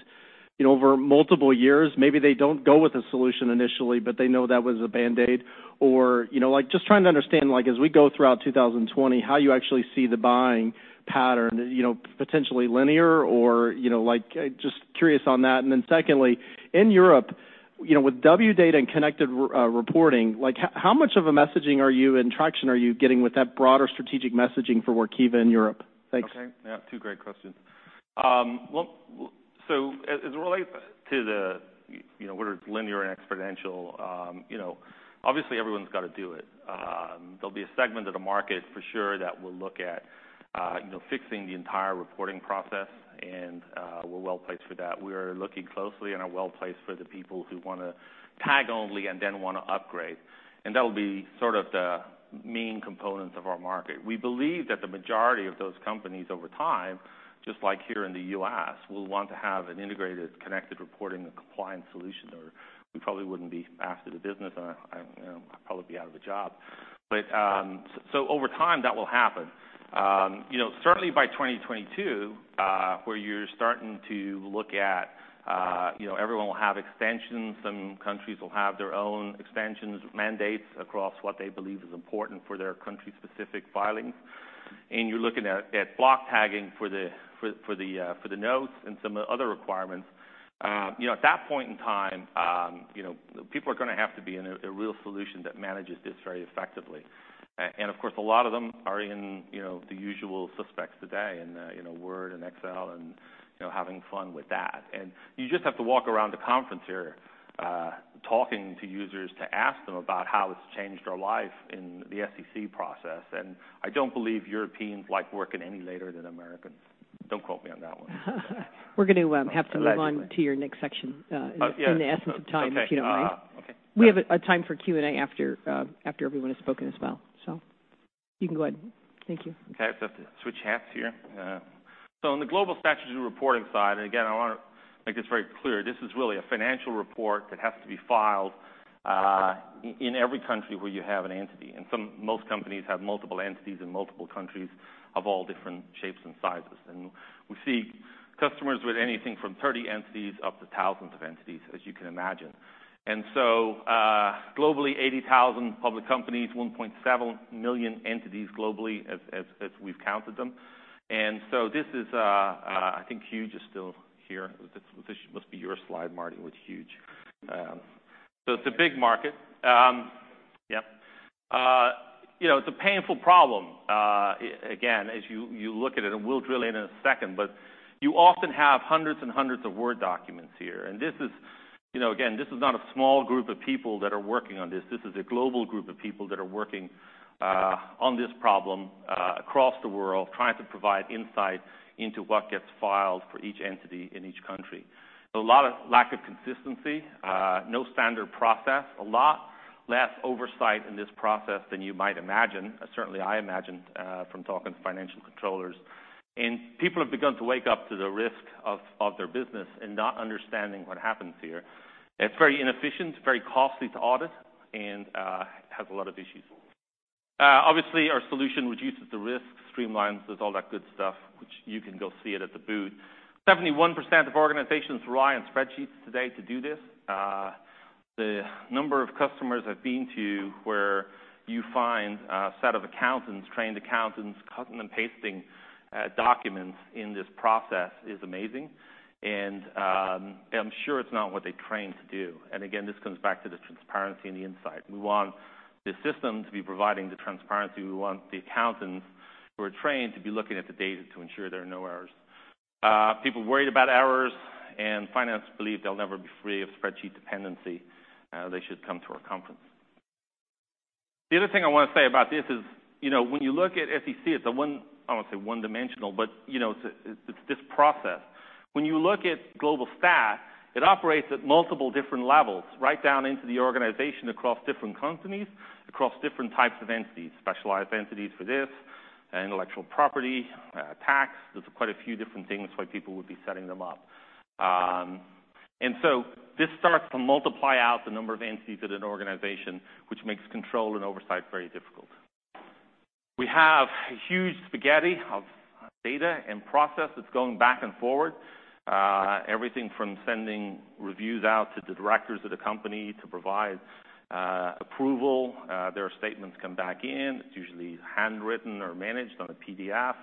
over multiple years, maybe they don't go with a solution initially, but they know that was a band-aid or just trying to understand, as we go throughout 2020, how you actually see the buying pattern, potentially linear, or just curious on that. Secondly, in Europe, with Wdata and connected reporting, how much of a messaging are you, and traction are you getting with that broader strategic messaging for Workiva in Europe? Thanks. Okay. Yeah, two great questions. As it relates to the whether it's linear or exponential, obviously everyone's got to do it. There'll be a segment of the market for sure that will look at fixing the entire reporting process, and we're well-placed for that. We're looking closely and are well-placed for the people who want to tag only and then want to upgrade, and that'll be sort of the main component of our market. We believe that the majority of those companies over time, just like here in the U.S., will want to have an integrated, connected reporting and compliance solution, or we probably wouldn't be master the business, and I'd probably be out of a job. Over time, that will happen. Certainly by 2022, where you're starting to look at everyone will have extensions, some countries will have their own extensions, mandates across what they believe is important for their country-specific filings. You're looking at block tagging for the notes and some other requirements. At that point in time, people are going to have to be in a real solution that manages this very effectively. Of course, a lot of them are in the usual suspects today, in Word and Excel, and having fun with that. You just have to walk around the conference here, talking to users to ask them about how it's changed their life in the SEC process. I don't believe Europeans like working any later than Americans. Don't quote me on that one. We're going to have to move on to your next section. Yeah In the essence of time, if you don't mind. Okay. We have a time for Q&A after everyone has spoken as well. You can go ahead. Thank you. Okay. I have to switch hats here. Yeah. On the Global Statutory Reporting side, and again, I want to make this very clear, this is really a financial report that has to be filed in every country where you have an entity, and most companies have multiple entities in multiple countries of all different shapes and sizes. We see customers with anything from 30 entities up to thousands of entities, as you can imagine. Globally, 80,000 public companies, 1.7 million entities globally, as we've counted them. This is, I think Hugh is still here. This must be your slide, Marty, with Hugh. It's a big market. Yep. It's a painful problem, again, as you look at it. We'll drill in in a second. You often have hundreds and hundreds of Word documents here. Again, this is not a small group of people that are working on this. This is a global group of people that are working on this problem across the world, trying to provide insight into what gets filed for each entity in each country. A lot of lack of consistency, no standard process, a lot less oversight in this process than you might imagine, certainly I imagined from talking to financial controllers. People have begun to wake up to the risk of their business in not understanding what happens here. It's very inefficient, it's very costly to audit, and has a lot of issues. Our solution reduces the risk, streamlines, does all that good stuff, which you can go see it at the booth. 71% of organizations rely on spreadsheets today to do this. The number of customers I've been to where you find a set of accountants, trained accountants, cutting and pasting documents in this process is amazing. I'm sure it's not what they trained to do. Again, this comes back to the transparency and the insight. We want the system to be providing the transparency. We want the accountants who are trained to be looking at the data to ensure there are no errors. People worried about errors, and finance believe they'll never be free of spreadsheet dependency. They should come to our conference. The other thing I want to say about this is, when you look at SEC, I won't say one-dimensional, but it's this process. When you look at Global Stat, it operates at multiple different levels, right down into the organization across different companies, across different types of entities, specialized entities for this, intellectual property, tax. There's quite a few different things why people would be setting them up. This starts to multiply out the number of entities at an organization, which makes control and oversight very difficult. We have a huge spaghetti of data and process that's going back and forward. Everything from sending reviews out to the directors of the company to provide approval. Their statements come back in. It's usually handwritten or managed on a PDF.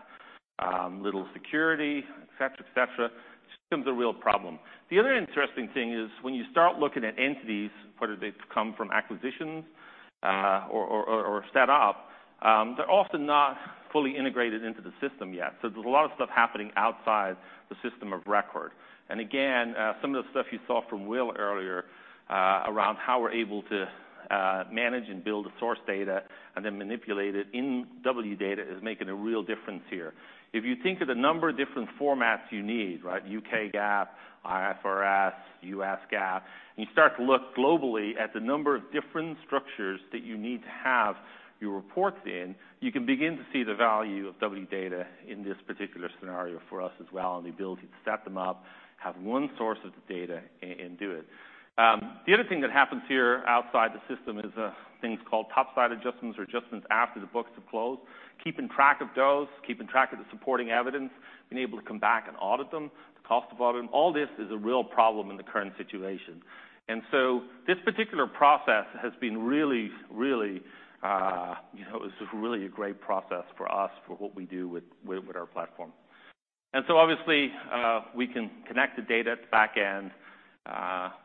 Little security, et cetera. This becomes a real problem. The other interesting thing is when you start looking at entities, whether they've come from acquisitions or set up, they're often not fully integrated into the system yet. There's a lot of stuff happening outside the system of record. Again, some of the stuff you saw from Will earlier, around how we're able to manage and build the source data and then manipulate it in Wdata is making a real difference here. If you think of the number of different formats you need, UK GAAP, IFRS, US GAAP, and you start to look globally at the number of different structures that you need to have your reports in, you can begin to see the value of Wdata in this particular scenario for us as well, and the ability to set them up, have one source of the data, and do it. The other thing that happens here outside the system is things called top-side adjustments or adjustments after the books have closed. Keeping track of those, keeping track of the supporting evidence, being able to come back and audit them, the cost of auditing, all this is a real problem in the current situation. This particular process has been really a great process for us, for what we do with our platform. Obviously, we can connect the data at the back end.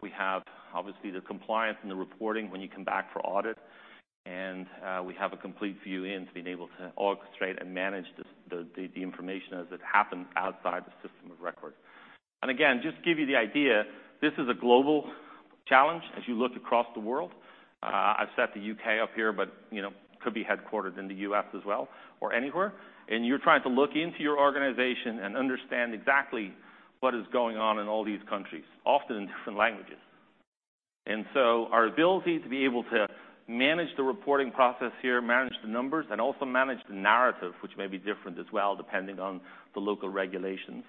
We have, obviously, the compliance and the reporting when you come back for audit. We have a complete view into being able to orchestrate and manage the information as it happens outside the system of record. Again, just to give you the idea, this is a global challenge as you look across the world. I've set the U.K. up here, but could be headquartered in the U.S. as well, or anywhere. You're trying to look into your organization and understand exactly what is going on in all these countries, often in different languages. Our ability to be able to manage the reporting process here, manage the numbers, and also manage the narrative, which may be different as well, depending on the local regulations.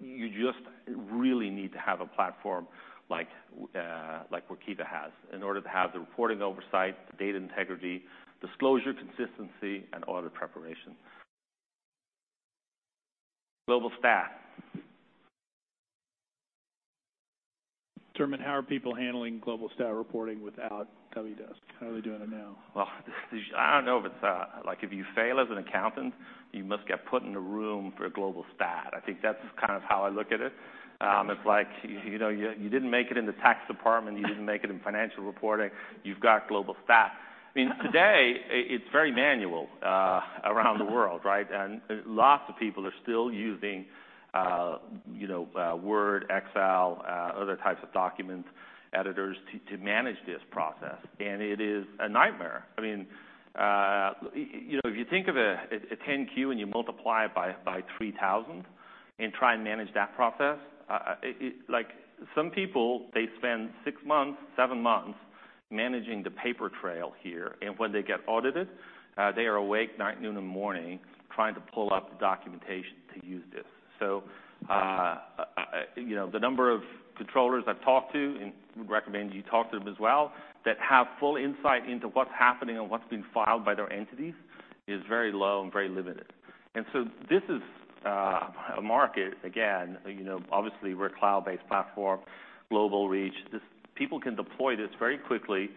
You just really need to have a platform like Workiva has in order to have the reporting oversight, the data integrity, disclosure consistency, and audit preparation. Global Stat. Dermot, how are people handling Global Stat reporting without Wdesk? How are they doing it now? Well, I don't know, if you fail as an accountant, you must get put in a room for Global Stat. I think that's kind of how I look at it. It's like, you didn't make it in the tax department, you didn't make it in financial reporting, you've got Global Stat. I mean, today, it's very manual around the world, right? Lots of people are still using Word, Excel, other types of document editors to manage this process, and it is a nightmare. If you think of a 10-Q, and you multiply it by 3,000 and try and manage that process. Some people, they spend six months, seven months managing the paper trail here, and when they get audited, they are awake night, noon, and morning trying to pull up the documentation to use this. The number of controllers I've talked to, and would recommend you talk to them as well, that have full insight into what's happening and what's being filed by their entities is very low and very limited. This is a market, again, obviously we're a cloud-based platform, global reach. People can deploy this very quickly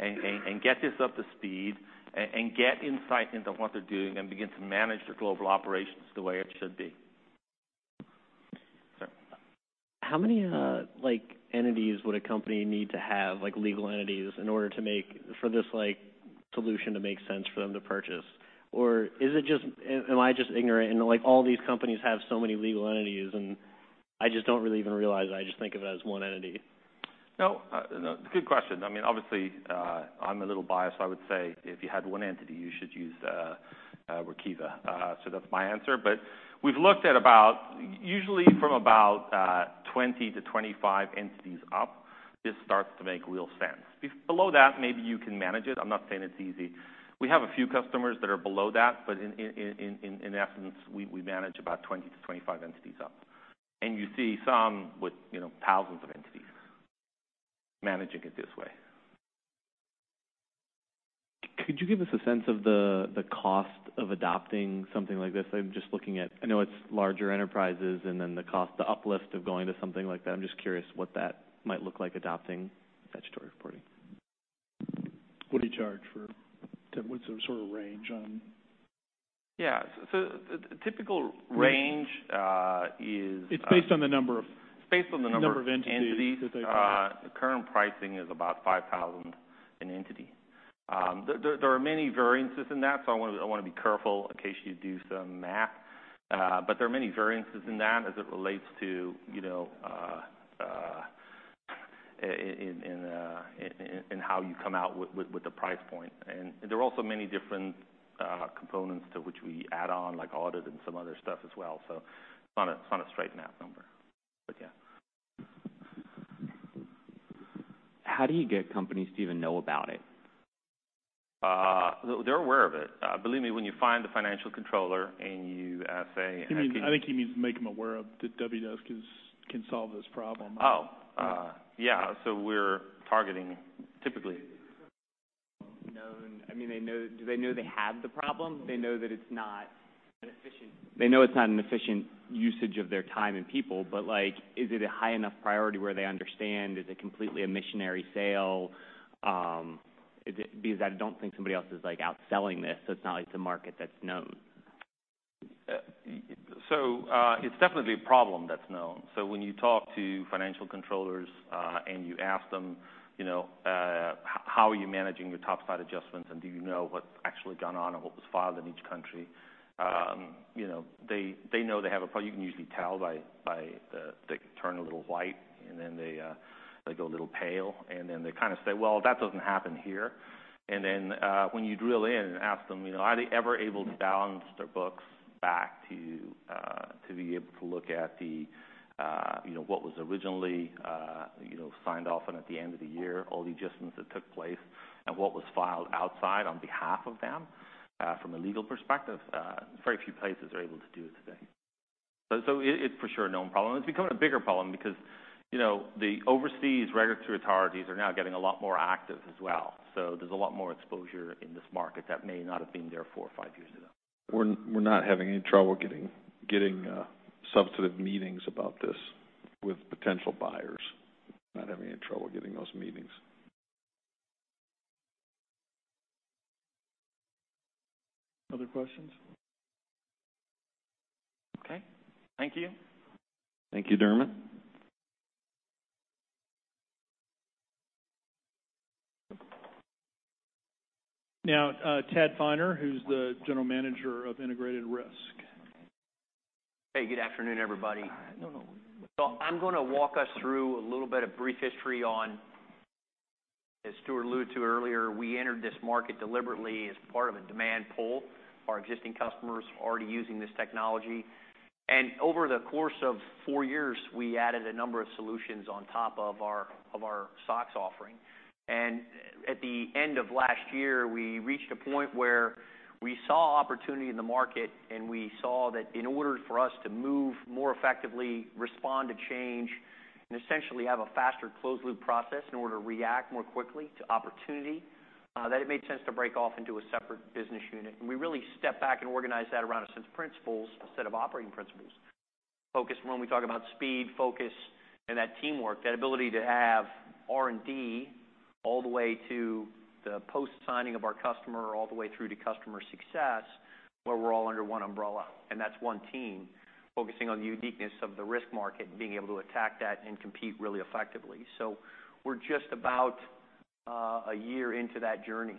and get this up to speed and get insight into what they're doing and begin to manage their global operations the way it should be. Sir. How many entities would a company need to have, like legal entities, in order to make for this solution to make sense for them to purchase? Or am I just ignorant and all these companies have so many legal entities, and I just don't really even realize it, I just think of it as one entity? No. Good question. Obviously, I'm a little biased, I would say if you had one entity, you should use Workiva. That's my answer. We've looked at about, usually from about 20 to 25 entities up, this starts to make real sense. Below that, maybe you can manage it. I'm not saying it's easy. We have a few customers that are below that, but in essence, we manage about 20 to 25 entities up. You see some with thousands of entities managing it this way. Could you give us a sense of the cost of adopting something like this? I'm just looking at, I know it's larger enterprises, and then the cost, the uplift of going to something like that. I'm just curious what that might look like adopting statutory reporting. What do you charge? What's the sort of range? Yeah. The typical range is- It's based on the number. It's based on the number- Number of entities ...of ntities. That they track. Current pricing is about $5,000 an entity. There are many variances in that. I want to be careful in case you do some math. There are many variances in that as it relates to, in how you come out with the price point. There are also many different components to which we add on, like audit and some other stuff as well. It's not a straight math number. Yeah. How do you get companies to even know about it? They're aware of it. Believe me, when you find the financial controller and you say. I think he means make them aware of that Wdesk can solve this problem. Yeah. We're targeting. Known. Do they know they have the problem? They know it's not an efficient usage of their time and people, but is it a high enough priority where they understand? Is it completely a missionary sale? I don't think somebody else is out selling this, so it's not like it's a market that's known. It's definitely a problem that's known. When you talk to financial controllers, and you ask them, "How are you managing your top-side adjustments, and do you know what's actually gone on and what was filed in each country?" They know they have a problem. You can usually tell they turn a little white, and then they go a little pale, and then they kind of say, "Well, that doesn't happen here." When you drill in and ask them, are they ever able to balance their books back to be able to look at what was originally signed off and at the end of the year, all the adjustments that took place and what was filed outside on behalf of them from a legal perspective, very few places are able to do it today. It's for sure a known problem, and it's becoming a bigger problem because the overseas regulatory authorities are now getting a lot more active as well. There's a lot more exposure in this market that may not have been there four or five years ago. We're not having any trouble getting substantive meetings about this with potential buyers. Not having any trouble getting those meetings. Other questions? Okay. Thank you. Thank you, Dermot. Now, Tad Finer, who's the General Manager of Integrated Risk. Hey, good afternoon, everybody. I'm going to walk us through a little bit of brief history on, as Stuart alluded to earlier, we entered this market deliberately as part of a demand pull. Our existing customers were already using this technology. Over the course of four years, we added a number of solutions on top of our SOX offering. At the end of last year, we reached a point where we saw opportunity in the market, and we saw that in order for us to move more effectively, respond to change, and essentially have a faster closed loop process in order to react more quickly to opportunity, that it made sense to break off into a separate business unit. We really stepped back and organized that around a set of principles, a set of operating principles. Focus, when we talk about speed, focus, and that teamwork, that ability to have R&D all the way to the post-signing of our customer, all the way through to customer success, where we're all under one umbrella. That's one team focusing on the uniqueness of the risk market, being able to attack that, and compete really effectively. We're just about a year into that journey.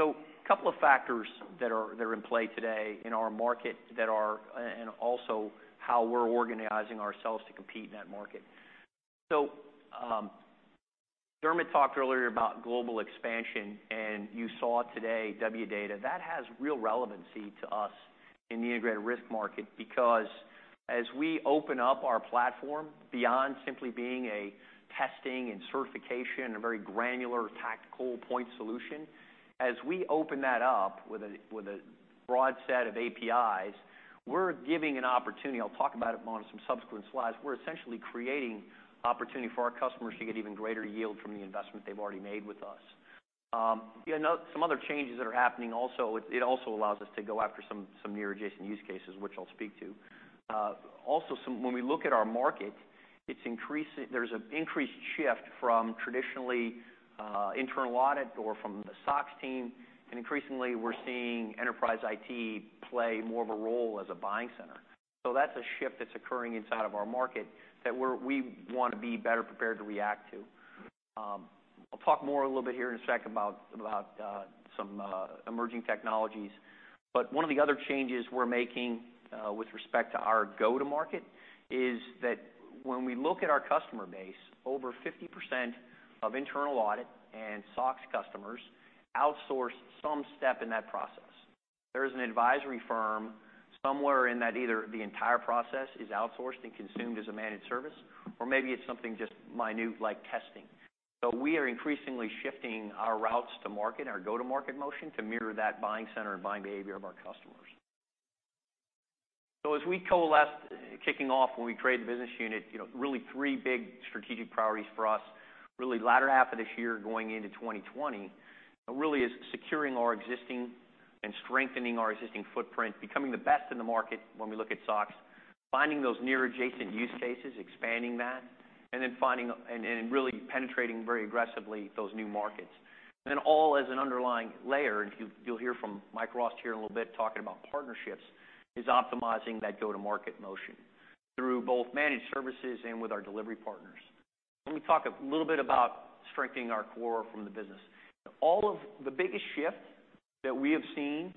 A couple of factors that are in play today in our market and also how we're organizing ourselves to compete in that market. Dermot talked earlier about global expansion, and you saw today Wdata. That has real relevancy to us in the integrated risk market because as we open up our platform beyond simply being a testing and certification and a very granular tactical point solution, as we open that up with a broad set of APIs, we're giving an opportunity, I'll talk about it more on some subsequent slides. We're essentially creating opportunity for our customers to get even greater yield from the investment they've already made with us. Some other changes that are happening also, it also allows us to go after some near adjacent use cases, which I'll speak to. Also, when we look at our market, there's an increased shift from traditionally internal audit or from the SOX team. Increasingly, we're seeing enterprise IT play more of a role as a buying center. That's a shift that's occurring inside of our market that we want to be better prepared to react to. I'll talk more a little bit here in a second about some emerging technologies. One of the other changes we're making with respect to our go-to-market is that when we look at our customer base, over 50% of internal audit and SOX customers outsource some step in that process. There is an advisory firm somewhere in that either the entire process is outsourced and consumed as a managed service, or maybe it's something just minute, like testing. We are increasingly shifting our routes to market, our go-to-market motion, to mirror that buying center and buying behavior of our customers. As we coalesced, kicking off when we created the business unit, three big strategic priorities for us, latter half of this year going into 2020, is securing our existing and strengthening our existing footprint, becoming the best in the market when we look at SOX, finding those near adjacent use cases, expanding that, and then penetrating very aggressively those new markets. All as an underlying layer, and you'll hear from Mike Rost here in a little bit talking about partnerships, is optimizing that go-to-market motion through both managed services and with our delivery partners. Let me talk a little bit about strengthening our core from the business. The biggest shift that we have seen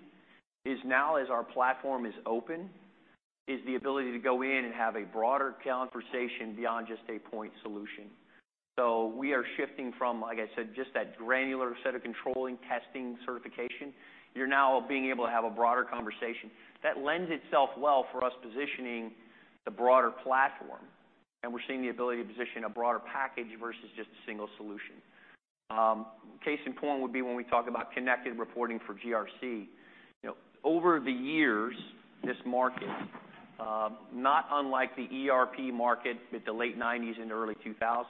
is now as our platform is open, is the ability to go in and have a broader conversation beyond just a point solution. We are shifting from, like I said, just that granular set of controlling, testing, certification. You're now being able to have a broader conversation. That lends itself well for us positioning the broader platform, and we're seeing the ability to position a broader package versus just a single solution. Case in point would be when we talk about connected reporting for GRC. Over the years, this market, not unlike the ERP market with the late 1990s into early 2000s,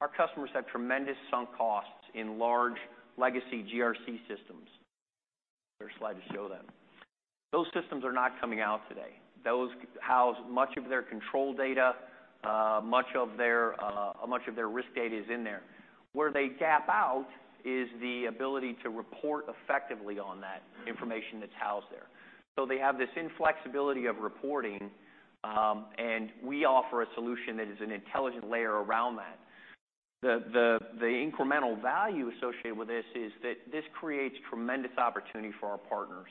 our customers had tremendous sunk costs in large legacy GRC systems. There's a slide to show them. Those systems are not coming out today. Those house much of their control data, much of their risk data is in there. Where they gap out is the ability to report effectively on that information that's housed there. They have this inflexibility of reporting, and we offer a solution that is an intelligent layer around that. The incremental value associated with this is that this creates tremendous opportunity for our partners.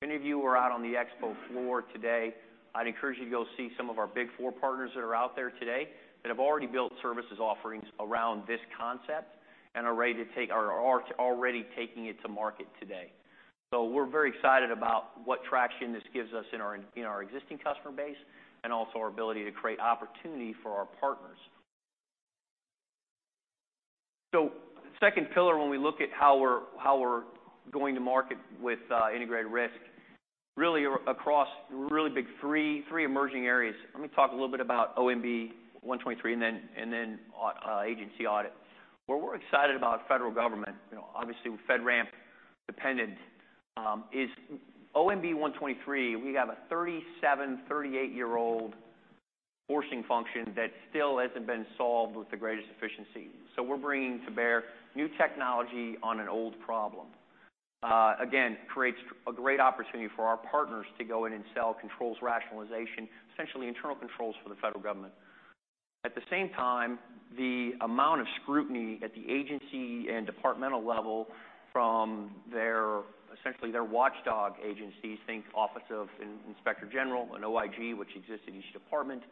If any of you are out on the expo floor today, I'd encourage you to go see some of our Big Four partners that are out there today that have already built services offerings around this concept and are already taking it to market today. We're very excited about what traction this gives us in our existing customer base and also our ability to create opportunity for our partners. Second pillar, when we look at how we're going to market with integrated risk, really across three emerging areas. Let me talk a little bit about OMB A-123 and then agency audit. Where we're excited about federal government, obviously with FedRAMP dependent, is OMB A-123. We have a 37, 38-year-old forcing function that still hasn't been solved with the greatest efficiency. We're bringing to bear new technology on an old problem. Again, creates a great opportunity for our partners to go in and sell controls rationalization, essentially internal controls for the federal government. At the same time, the amount of scrutiny at the agency and departmental level from essentially their watchdog agencies, think Office of Inspector General, an OIG, which exists in each department,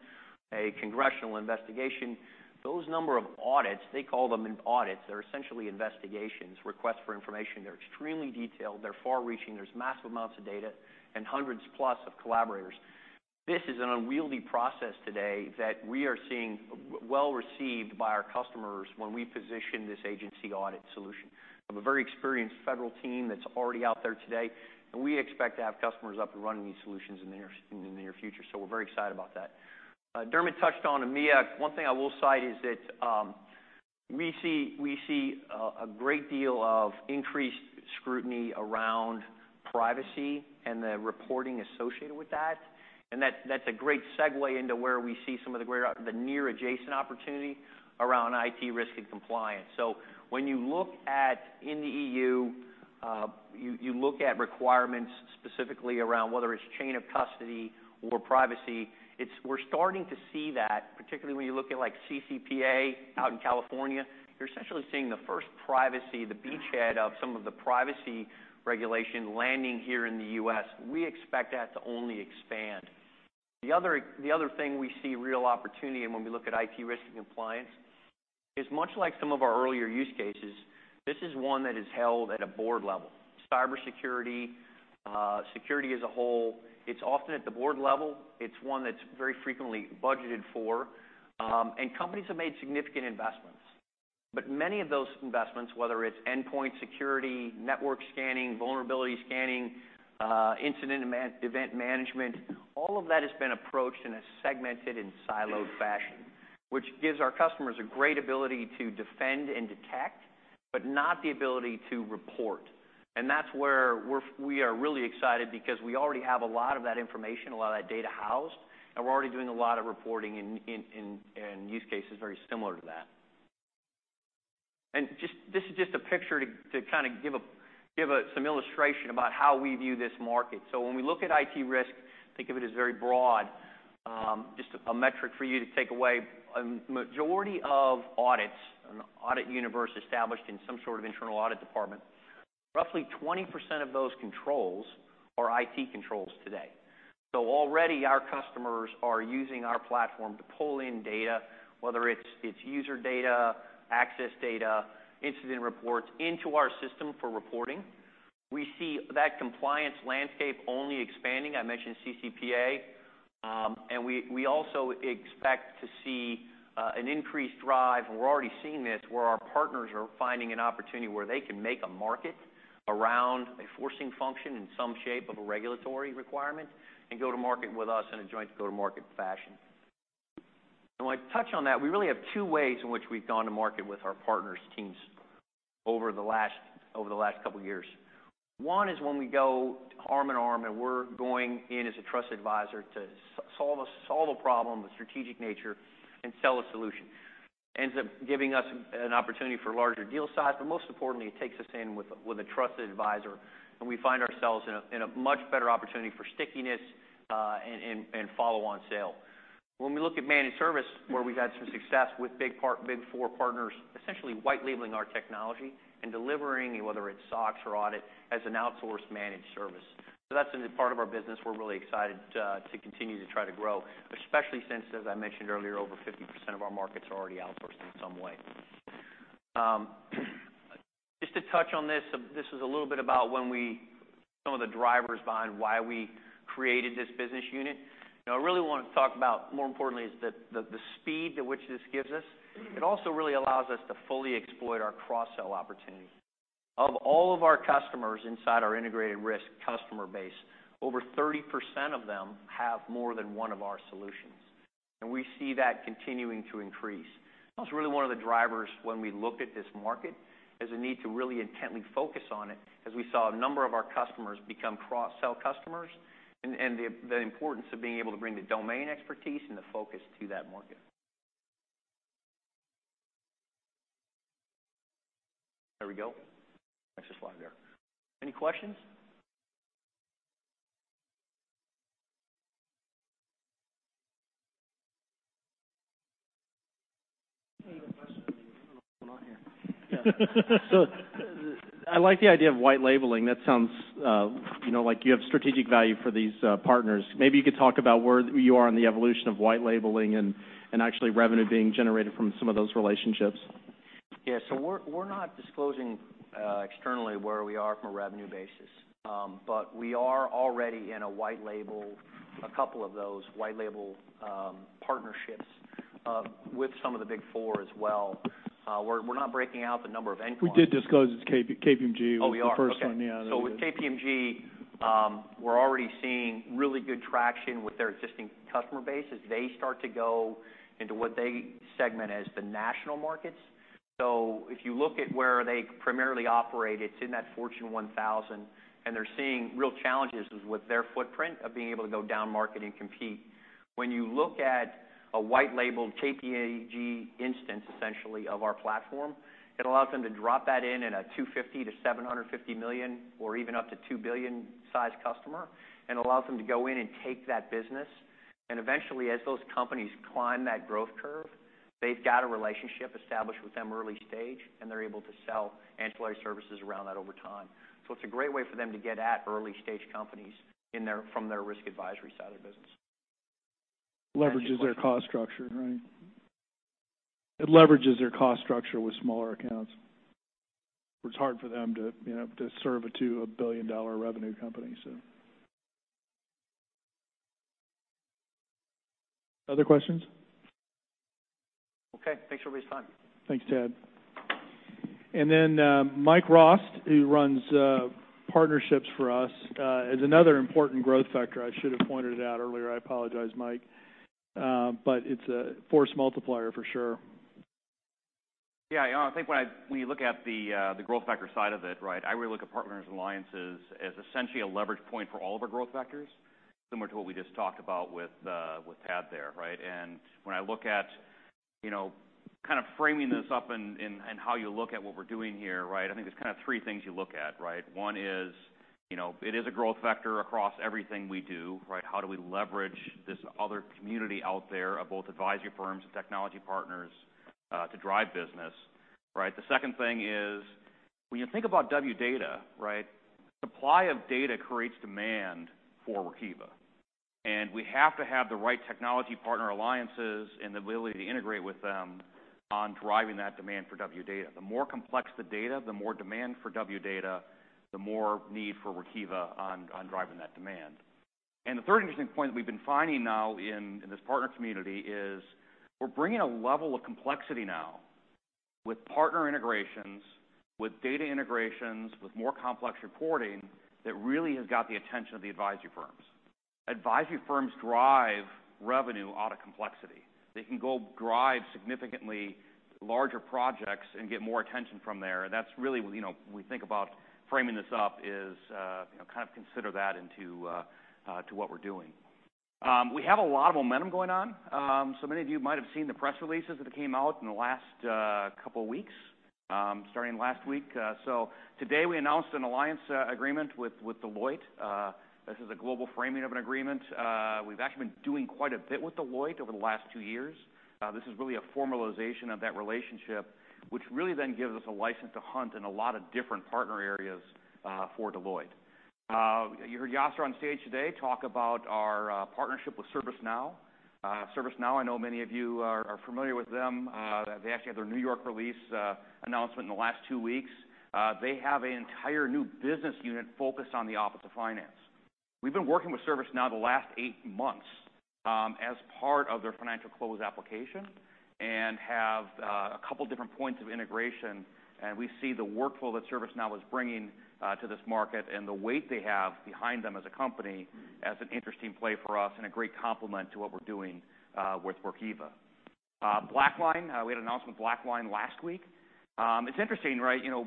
a congressional investigation. Those number of audits, they call them audits. They're essentially investigations, requests for information. They're extremely detailed. They're far-reaching. There's massive amounts of data and hundreds plus of collaborators. This is an unwieldy process today that we are seeing well-received by our customers when we position this agency audit solution. I have a very experienced federal team that's already out there today, and we expect to have customers up and running these solutions in the near future. We're very excited about that. Dermot touched on EMEA. One thing I will cite is that we see a great deal of increased scrutiny around privacy and the reporting associated with that, and that's a great segue into where we see some of the near adjacent opportunity around IT risk and compliance. When you look at in the EU, you look at requirements specifically around whether it's chain of custody or privacy. We're starting to see that, particularly when you look at CCPA out in California. You're essentially seeing the first privacy, the beachhead of some of the privacy regulation landing here in the U.S. We expect that to only expand. The other thing we see real opportunity and when we look at IT risk and compliance is much like some of our earlier use cases, this is one that is held at a board level. Cybersecurity, security as a whole, it's often at the board level. It's one that's very frequently budgeted for, and companies have made significant investments. Many of those investments, whether it's endpoint security, network scanning, vulnerability scanning, incident event management, all of that has been approached in a segmented and siloed fashion, which gives our customers a great ability to defend and detect, but not the ability to report. That's where we are really excited because we already have a lot of that information, a lot of that data housed, and we're already doing a lot of reporting and use cases very similar to that. This is just a picture to kind of give some illustration about how we view this market. When we look at IT risk, think of it as very broad. Just a metric for you to take away. A majority of audits, an audit universe established in some sort of internal audit department, roughly 20% of those controls are IT controls today. Already our customers are using our platform to pull in data, whether it's user data, access data, incident reports, into our system for reporting. We see that compliance landscape only expanding. I mentioned CCPA. We also expect to see an increased drive, and we're already seeing this, where our partners are finding an opportunity where they can make a market around a forcing function in some shape of a regulatory requirement, and go to market with us in a joint go-to-market fashion. When I touch on that, we really have two ways in which we've gone to market with our partners teams over the last couple of years. One is when we go arm in arm, and we're going in as a trusted advisor to solve a problem of strategic nature and sell a solution, ends up giving us an opportunity for larger deal size, but most importantly, it takes us in with a trusted advisor, and we find ourselves in a much better opportunity for stickiness and follow-on sale. When we look at managed service, where we've had some success with Big Four partners, essentially white labeling our technology and delivering, whether it's SOX or audit, as an outsourced managed service. That's a part of our business we're really excited to continue to try to grow, especially since, as I mentioned earlier, over 50% of our markets are already outsourced in some way. Just to touch on this was a little bit about some of the drivers behind why we created this business unit. I really want to talk about more importantly is the speed at which this gives us. It also really allows us to fully exploit our cross-sell opportunity. Of all of our customers inside our integrated risk customer base, over 30% of them have more than one of our solutions, and we see that continuing to increase. That was really one of the drivers when we looked at this market, is a need to really intently focus on it as we saw a number of our customers become cross-sell customers, and the importance of being able to bring the domain expertise and the focus to that market. There we go. Next slide there. Any questions? I like the idea of white labeling. That sounds like you have strategic value for these partners. Maybe you could talk about where you are in the evolution of white labeling and actually revenue being generated from some of those relationships. Yeah. We're not disclosing externally where we are from a revenue basis. We are already in a couple of those white label partnerships with some of the Big Four as well. We're not breaking out the number of endpoints. We did disclose it's KPMG- Oh, you are? ...the first one, yeah. With KPMG, we're already seeing really good traction with their existing customer base as they start to go into what they segment as the national markets. If you look at where they primarily operate, it's in that Fortune 1000, and they're seeing real challenges with their footprint of being able to go down market and compete. When you look at a white labeled KPMG instance, essentially, of our platform, it allows them to drop that in at a $250 million-$750 million or even up to $2 billion size customer, and allows them to go in and take that business. Eventually, as those companies climb that growth curve, they've got a relationship established with them early stage, and they're able to sell ancillary services around that over time. It's a great way for them to get at early-stage companies from their risk advisory side of the business. Leverages their cost structure, right? It leverages their cost structure with smaller accounts, where it's hard for them to serve a $2 billion revenue company, so. Other questions? Okay. Thanks, everybody's time. Thanks, Tad. Mike Rost, who runs partnerships for us, is another important growth factor. I should have pointed it out earlier. I apologize, Mike. It's a force multiplier for sure. Yeah. I think when you look at the growth factor side of it, I really look at partners and alliances as essentially a leverage point for all of our growth factors, similar to what we just talked about with Tad there. When I look at kind of framing this up and how you look at what we're doing here, I think there's kind of three things you look at. One is, it is a growth factor across everything we do. How do we leverage this other community out there of both advisory firms and technology partners to drive business? The second thing is when you think about Wdata, supply of data creates demand for Workiva, and we have to have the right technology partner alliances and the ability to integrate with them on driving that demand for Wdata. The more complex the data, the more demand for Wdata, the more need for Workiva on driving that demand. The third interesting point that we've been finding now in this partner community is we're bringing a level of complexity now with partner integrations, with data integrations, with more complex reporting that really has got the attention of the advisory firms. Advisory firms drive revenue out of complexity. They can go drive significantly larger projects and get more attention from there. That's really when we think about framing this up is kind of consider that into what we're doing. We have a lot of momentum going on. Many of you might have seen the press releases that came out in the last couple of weeks, starting last week. Today we announced an alliance agreement with Deloitte. This is a global framing of an agreement. We've actually been doing quite a bit with Deloitte over the last two years. This is really a formalization of that relationship, which really then gives us a license to hunt in a lot of different partner areas for Deloitte. You heard Yasir on stage today talk about our partnership with ServiceNow. ServiceNow, I know many of you are familiar with them. They actually had their New York release announcement in the last two weeks. They have an entire new business unit focused on the Office of Finance. We've been working with ServiceNow the last eight months as part of their financial close application and have a couple different points of integration. We see the workflow that ServiceNow is bringing to this market and the weight they have behind them as a company as an interesting play for us and a great complement to what we're doing with Workiva. BlackLine, we had an announcement with BlackLine last week. It's interesting,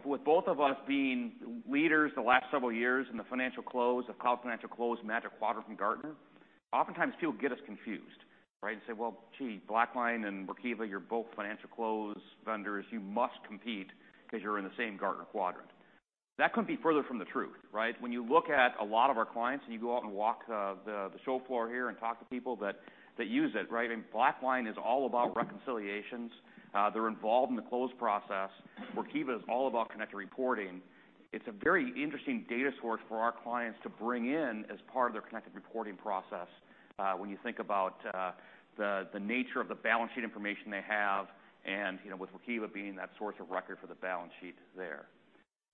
with both of us being leaders the last several years in the financial close, the Cloud Financial Close Magic Quadrant from Gartner, oftentimes people get us confused and say, "Well, gee, BlackLine and Workiva, you're both financial close vendors. You must compete because you're in the same Gartner quadrant." That couldn't be further from the truth. When you look at a lot of our clients, and you go out and walk the show floor here and talk to people that use it, BlackLine is all about reconciliations. They're involved in the close process. Workiva is all about connected reporting. It's a very interesting data source for our clients to bring in as part of their connected reporting process, when you think about the nature of the balance sheet information they have, and with Workiva being that source of record for the balance sheet there.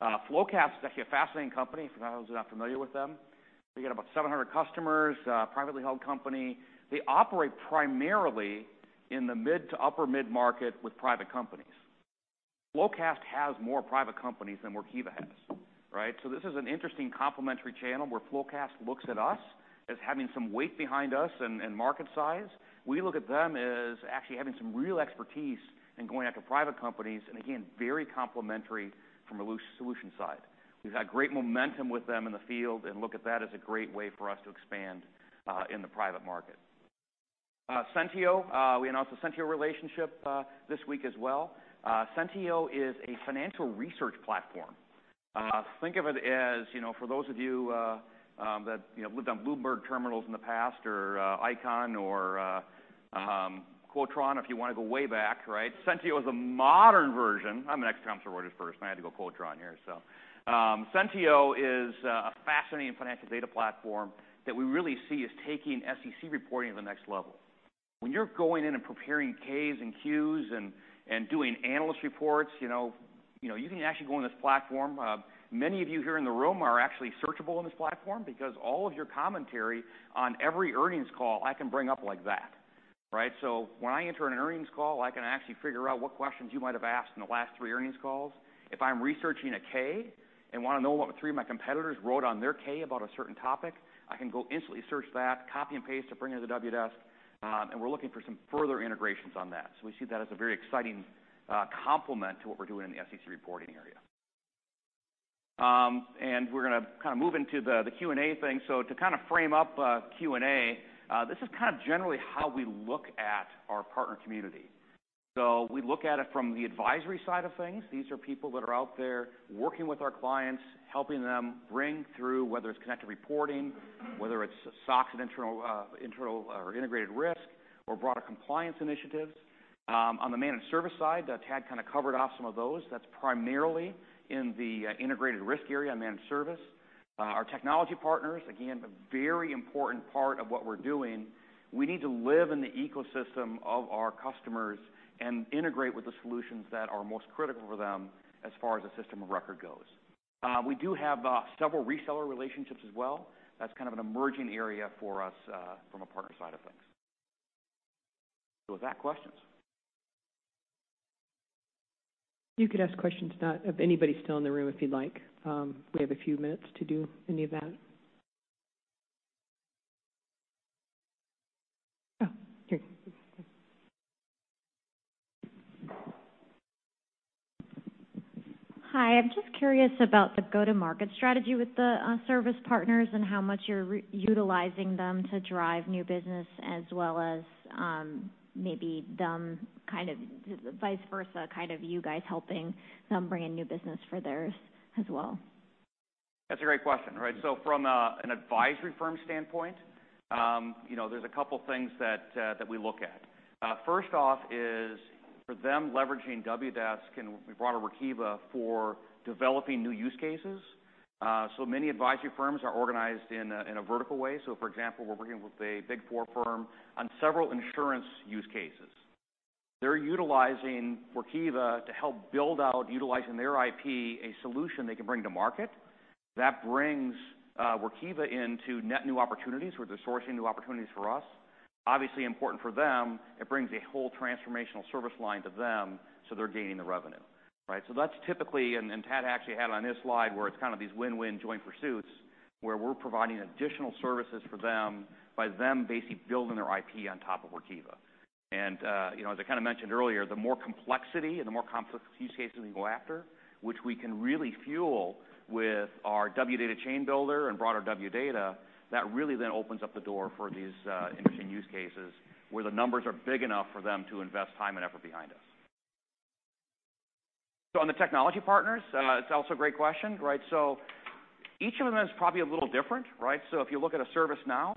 FloQast is actually a fascinating company, for those who are not familiar with them. They get about 700 customers, privately held company. They operate primarily in the mid to upper mid-market with private companies. FloQast has more private companies than Workiva has. This is an interesting complementary channel where FloQast looks at us as having some weight behind us and market size. We look at them as actually having some real expertise in going after private companies, and again, very complementary from a solution side. We've had great momentum with them in the field and look at that as a great way for us to expand in the private market. Sentieo, we announced the Sentieo relationship this week as well. Sentieo is a financial research platform. Think of it as, for those of you that lived on Bloomberg terminals in the past or Eikon or Quotron if you want to go way back, Sentieo is a modern version. I'm an ex-Thomson Reuters person. I had to go Quotron here. Sentieo is a fascinating financial data platform that we really see as taking SEC reporting to the next level. When you're going in and preparing Ks and Qs and doing analyst reports, you can actually go on this platform. Many of you here in the room are actually searchable in this platform because all of your commentary on every earnings call, I can bring up like that. When I enter an earnings call, I can actually figure out what questions you might have asked in the last three earnings calls. If I'm researching a K and want to know what three of my competitors wrote on their K about a certain topic, I can go instantly search that, copy and paste to bring into the Wdesk, and we're looking for some further integrations on that. We see that as a very exciting complement to what we're doing in the SEC reporting area. We're going to move into the Q&A thing. To frame up Q&A, this is generally how we look at our partner community. We look at it from the advisory side of things. These are people that are out there working with our clients, helping them bring through, whether it's connected reporting, whether it's SOX and internal or integrated risk or broader compliance initiatives. On the managed service side, Tad covered off some of those. That's primarily in the integrated risk area and managed service. Our technology partners, again, a very important part of what we're doing. We need to live in the ecosystem of our customers and integrate with the solutions that are most critical for them as far as a system of record goes. We do have several reseller relationships as well. That's an emerging area for us from a partner side of things. With that, questions? You could ask questions now, if anybody's still in the room, if you'd like. We have a few minutes to do any of that. Oh, here. Hi, I'm just curious about the go-to-market strategy with the service partners and how much you're utilizing them to drive new business as well as maybe them, vice versa, you guys helping them bring in new business for theirs as well? That's a great question. From an advisory firm standpoint, there's a couple things that we look at. First off is for them leveraging Wdesk, and we brought over Workiva for developing new use cases. Many advisory firms are organized in a vertical way. For example, we're working with a Big Four firm on several insurance use cases. They're utilizing Workiva to help build out, utilizing their IP, a solution they can bring to market. That brings Workiva into net new opportunities where they're sourcing new opportunities for us. Obviously important for them, it brings a whole transformational service line to them, so they're gaining the revenue. That's typically, and Tad actually had it on his slide, where it's these win-win joint pursuits, where we're providing additional services for them by them basically building their IP on top of Workiva. As I mentioned earlier, the more complexity and the more complex use cases we go after, which we can really fuel with our Wdata chain builder and broader Wdata, that really then opens up the door for these interesting use cases, where the numbers are big enough for them to invest time and effort behind us. On the technology partners, it's also a great question. Each of them is probably a little different. If you look at a ServiceNow,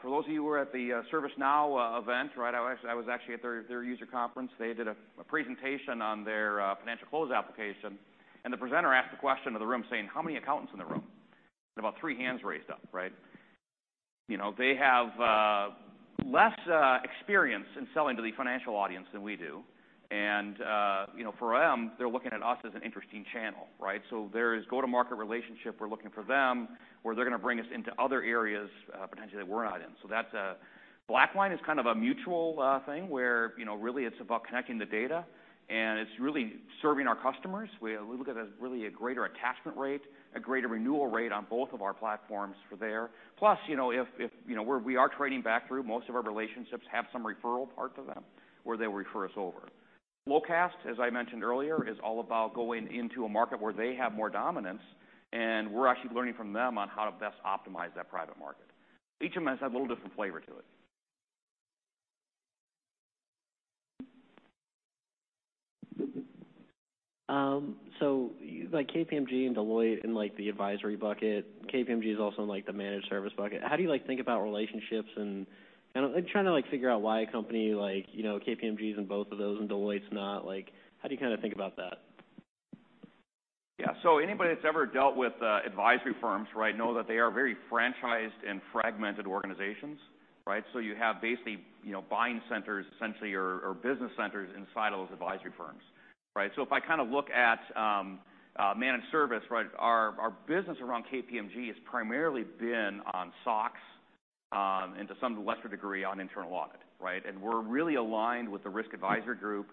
for those of you who were at the ServiceNow event, I was actually at their user conference. They did a presentation on their financial close application, and the presenter asked the question of the room saying, "How many accountants in the room?" About three hands raised up. They have less experience in selling to the financial audience than we do. For them, they're looking at us as an interesting channel. There is go-to-market relationship we're looking for them, where they're going to bring us into other areas, potentially, that we're not in. BlackLine is a mutual thing where really it's about connecting the data and it's really serving our customers. We look at it as really a greater attachment rate, a greater renewal rate on both of our platforms for there. Plus, if we are trading back through, most of our relationships have some referral part to them, where they refer us over. FloQast, as I mentioned earlier, is all about going into a market where they have more dominance, and we're actually learning from them on how to best optimize that private market. Each of them has a little different flavor to it. Like KPMG and Deloitte in the advisory bucket, KPMG is also in the managed service bucket. How do you think about relationships? I'm trying to figure out why a company like KPMG is in both of those and Deloitte's not. How do you think about that? Yeah. Anybody that's ever dealt with advisory firms know that they are very franchised and fragmented organizations. You have basically buying centers, essentially, or business centers inside of those advisory firms. If I look at managed service, our business around KPMG has primarily been on SOX, and to some lesser degree on internal audit. We're really aligned with the risk advisory group.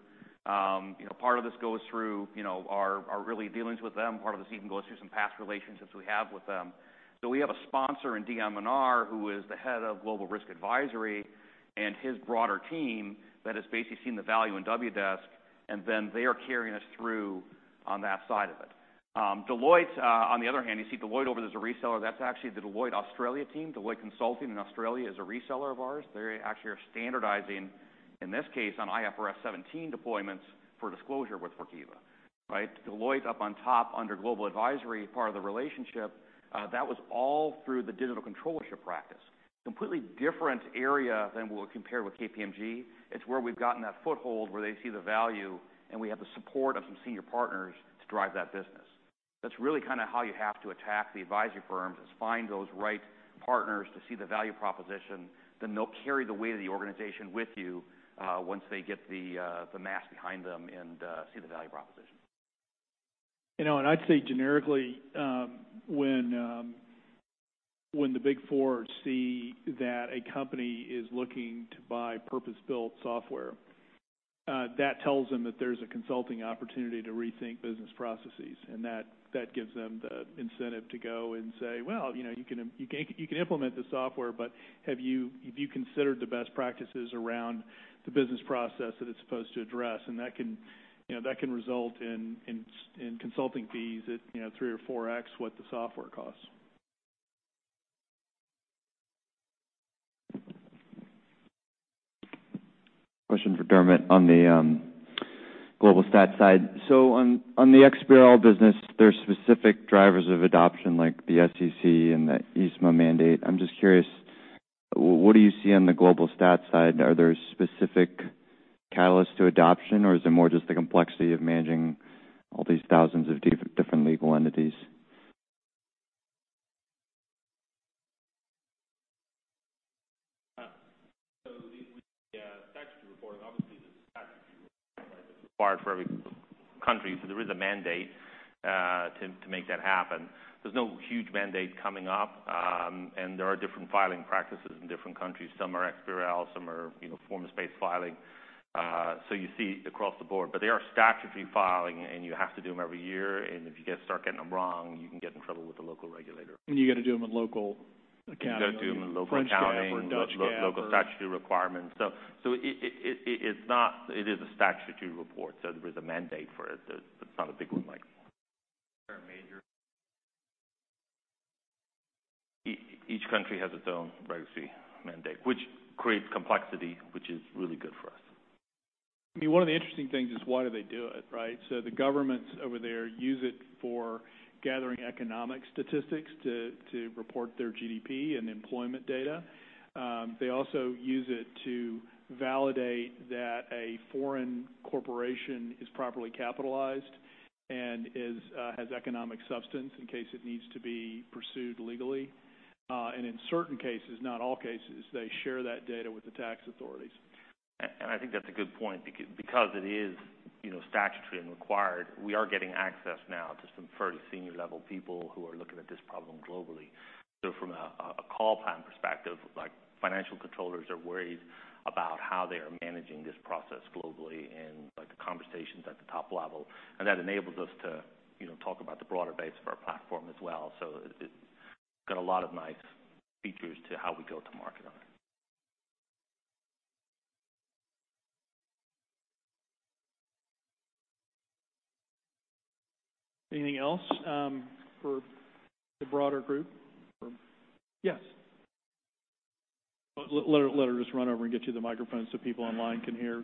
Part of this goes through our early dealings with them. Part of this even goes through some past relationships we have with them. We have a sponsor in DMNR, who is the Head of Global Risk Advisory, and his broader team that has basically seen the value in Wdesk, and then they are carrying us through on that side of it. Deloitte, on the other hand, you see Deloitte over there as a reseller. That's actually the Deloitte Australia team. Deloitte Consulting in Australia is a reseller of ours. They actually are standardizing, in this case, on IFRS 17 deployments for disclosure with Workiva. Deloitte up on top under Global Advisory, part of the relationship, that was all through the digital controllership practice. Completely different area than we'll compare with KPMG. It's where we've gotten that foothold where they see the value, and we have the support of some senior partners to drive that business. That's really how you have to attack the advisory firms, is find those right partners to see the value proposition, then they'll carry the weight of the organization with you once they get the mass behind them and see the value proposition. I'd say generically, when the Big Four see that a company is looking to buy purpose-built software, that tells them that there's a consulting opportunity to rethink business processes, and that gives them the incentive to go and say, "Well, you can implement the software, but have you considered the best practices around the business process that it's supposed to address?" That can result in consulting fees at 3x or 4x what the software costs. Question for Dermot on the Global Stat side. On the XBRL business, there are specific drivers of adoption, like the SEC and the ESMA mandate. I'm just curious, what do you see on the Global Stat side? Are there specific catalysts to adoption, or is it more just the complexity of managing all these thousands of different legal entities? With the statutory reporting, obviously, the statutory reporting is required for every country. There's no huge mandate coming up. There are different filing practices in different countries. Some are XBRL, some are forms-based filing. You see it across the board. They are statutory filing, and you have to do them every year. If you start getting them wrong, you can get in trouble with the local regulator. You got to do them in local accounting. You got to do them in local accounting. French GAAP or Dutch GAAP. Local statutory requirements. It is a statutory report, so there is a mandate for it. It's not a big one like each country has its own legacy mandate, which creates complexity, which is really good for us. One of the interesting things is why do they do it, right? The governments over there use it for gathering economic statistics to report their GDP and employment data. They also use it to validate that a foreign corporation is properly capitalized and has economic substance in case it needs to be pursued legally. In certain cases, not all cases, they share that data with the tax authorities. I think that's a good point, because it is statutory and required, we are getting access now to some fairly senior-level people who are looking at this problem globally. From a call plan perspective, financial controllers are worried about how they are managing this process globally and the conversations at the top level. That enables us to talk about the broader base of our platform as well. Got a lot of nice features to how we go to market on it. Anything else from the broader group? Yes. Let her just run over and get you the microphone so people online can hear.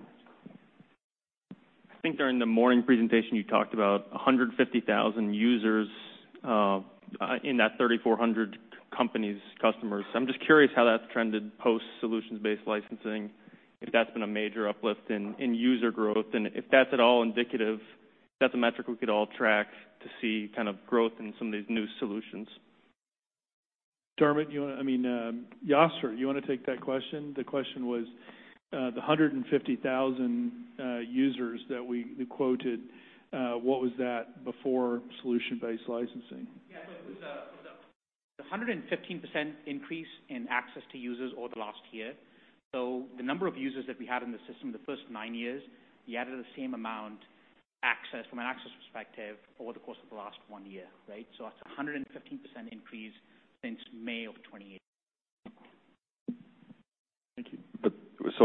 I think during the morning presentation, you talked about 150,000 users in that 3,400 companies, customers. I'm just curious how that's trended post solution-based licensing, if that's been a major uplift in user growth, and if that's at all indicative, if that's a metric we could all track to see growth in some of these new solutions? Dermot, you want I mean, Yasser, you want to take that question? The question was, the 150,000 users that we quoted, what was that before solution-based licensing? Yeah. It was a 115% increase in access to users over the last year. The number of users that we had in the system the first nine years, we added the same amount from an access perspective over the course of the last one year, right? That's 115% increase since May of 2018. Thank you.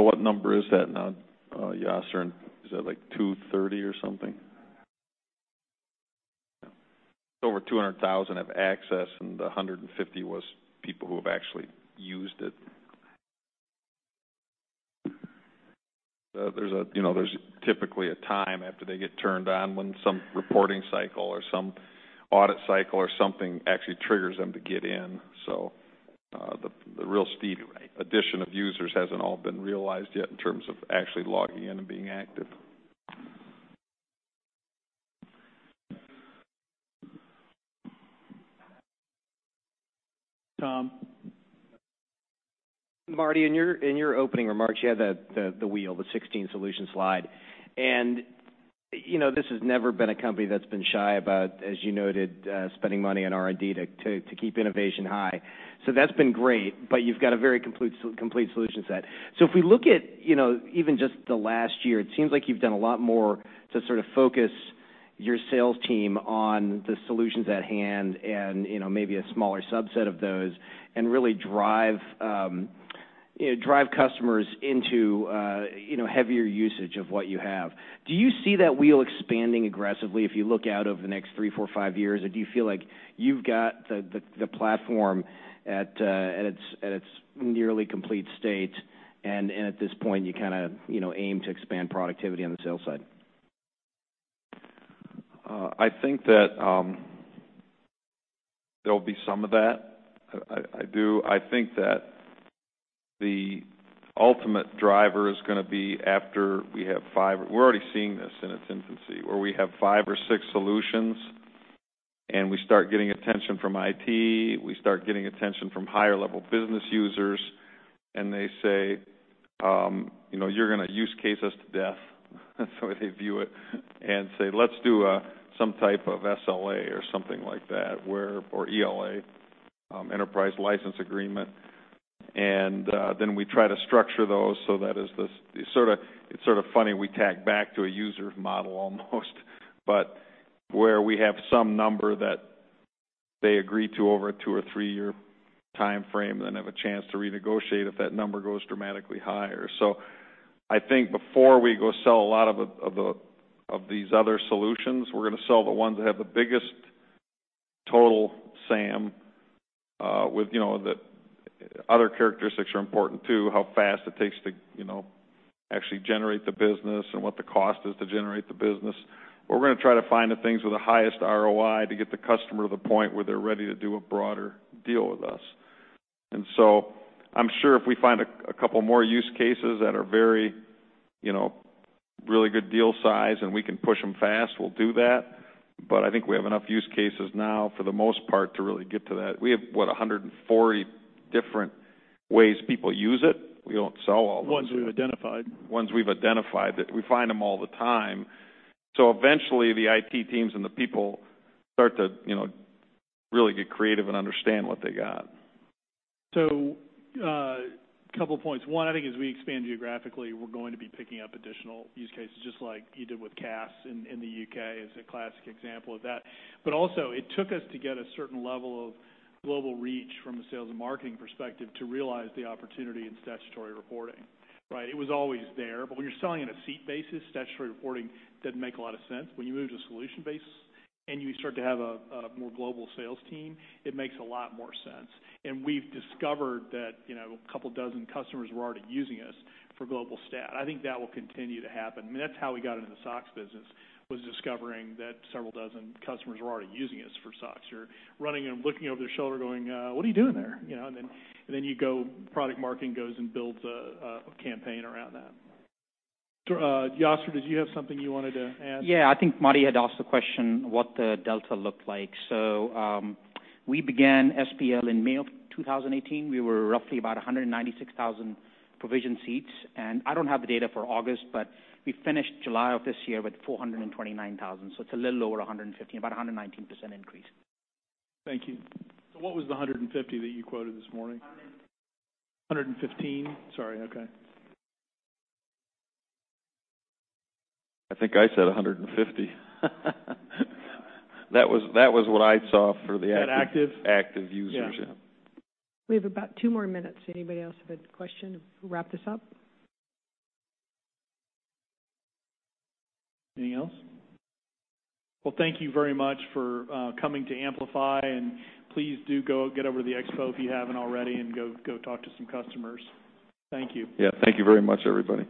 What number is that now, Yasser? Is that like 230,000 or something? Over 200,000 have access, and the 150,000 was people who have actually used it. There's typically a time after they get turned on when some reporting cycle or some audit cycle or something actually triggers them to get in. Right Addition of users hasn't all been realized yet in terms of actually logging in and being active. Tom. Marty, in your opening remarks, you had the wheel, the 16-solution slide. This has never been a company that's been shy about, as you noted, spending money on R&D to keep innovation high. That's been great, but you've got a very complete solution set. If we look at even just the last year, it seems like you've done a lot more to sort of focus your sales team on the solutions at hand and maybe a smaller subset of those and really drive customers into heavier usage of what you have. Do you see that wheel expanding aggressively if you look out over the next three, four, five years? Or do you feel like you've got the platform at its nearly complete state, and at this point, you kind of aim to expand productivity on the sales side? I think that there'll be some of that. I do. I think that the ultimate driver is going to be after we're already seeing this in its infancy, where we have five or six solutions, and we start getting attention from IT, we start getting attention from higher-level business users, and they say, "You're going to use case us to death," that's the way they view it, and say, "Let's do some type of SLA or something like that, or ELA, enterprise license agreement." We try to structure those so that as this, it's sort of funny, we tack back to a user model almost. Where we have some number that they agree to over a two- or three-year timeframe, then have a chance to renegotiate if that number goes dramatically higher. I think before we go sell a lot of these other solutions, we're going to sell the ones that have the biggest total SAM. The other characteristics are important, too, how fast it takes to actually generate the business and what the cost is to generate the business. We're going to try to find the things with the highest ROI to get the customer to the point where they're ready to do a broader deal with us. I'm sure if we find a couple more use cases that are really good deal size and we can push them fast, we'll do that. I think we have enough use cases now, for the most part, to really get to that. We have, what, 140 different ways people use it. We don't sell all those yet. Ones we've identified. Ones we've identified, that we find them all the time. Eventually, the IT teams and the people start to really get creative and understand what they got. Couple points. One, I think as we expand geographically, we're going to be picking up additional use cases, just like you did with CASS in the U.K. as a classic example of that. It took us to get a certain level of global reach from a sales and marketing perspective to realize the opportunity in statutory reporting. Right? It was always there, but when you're selling on a seat basis, statutory reporting doesn't make a lot of sense. When you move to solution basis and you start to have a more global sales team, it makes a lot more sense. We've discovered that a couple dozen customers were already using us for Global Stat. I think that will continue to happen. I mean, that's how we got into the SOX business, was discovering that several dozen customers were already using us for SOX or running and looking over their shoulder going, what are you doing there? Then you go, product marketing goes and builds a campaign around that. Yasser, did you have something you wanted to add? Yeah, I think Marty had asked the question what the delta looked like. We began SBL in May of 2018. We were roughly about 196,000 provisioned seats. I don't have the data for August, but we finished July of this year with 429,000. It's a little over 115, about 119% increase. Thank you. What was the $150 that you quoted this morning? Hundred and- 115? Sorry. Okay. I think I said 150. That was what I saw for the. That active? active users. Yeah. Yeah. We have about two more minutes. Anybody else have a question to wrap this up? Anything else? Well, thank you very much for coming to Amplify. Please do go get over to the expo if you haven't already. Go talk to some customers. Thank you. Yeah. Thank you very much, everybody.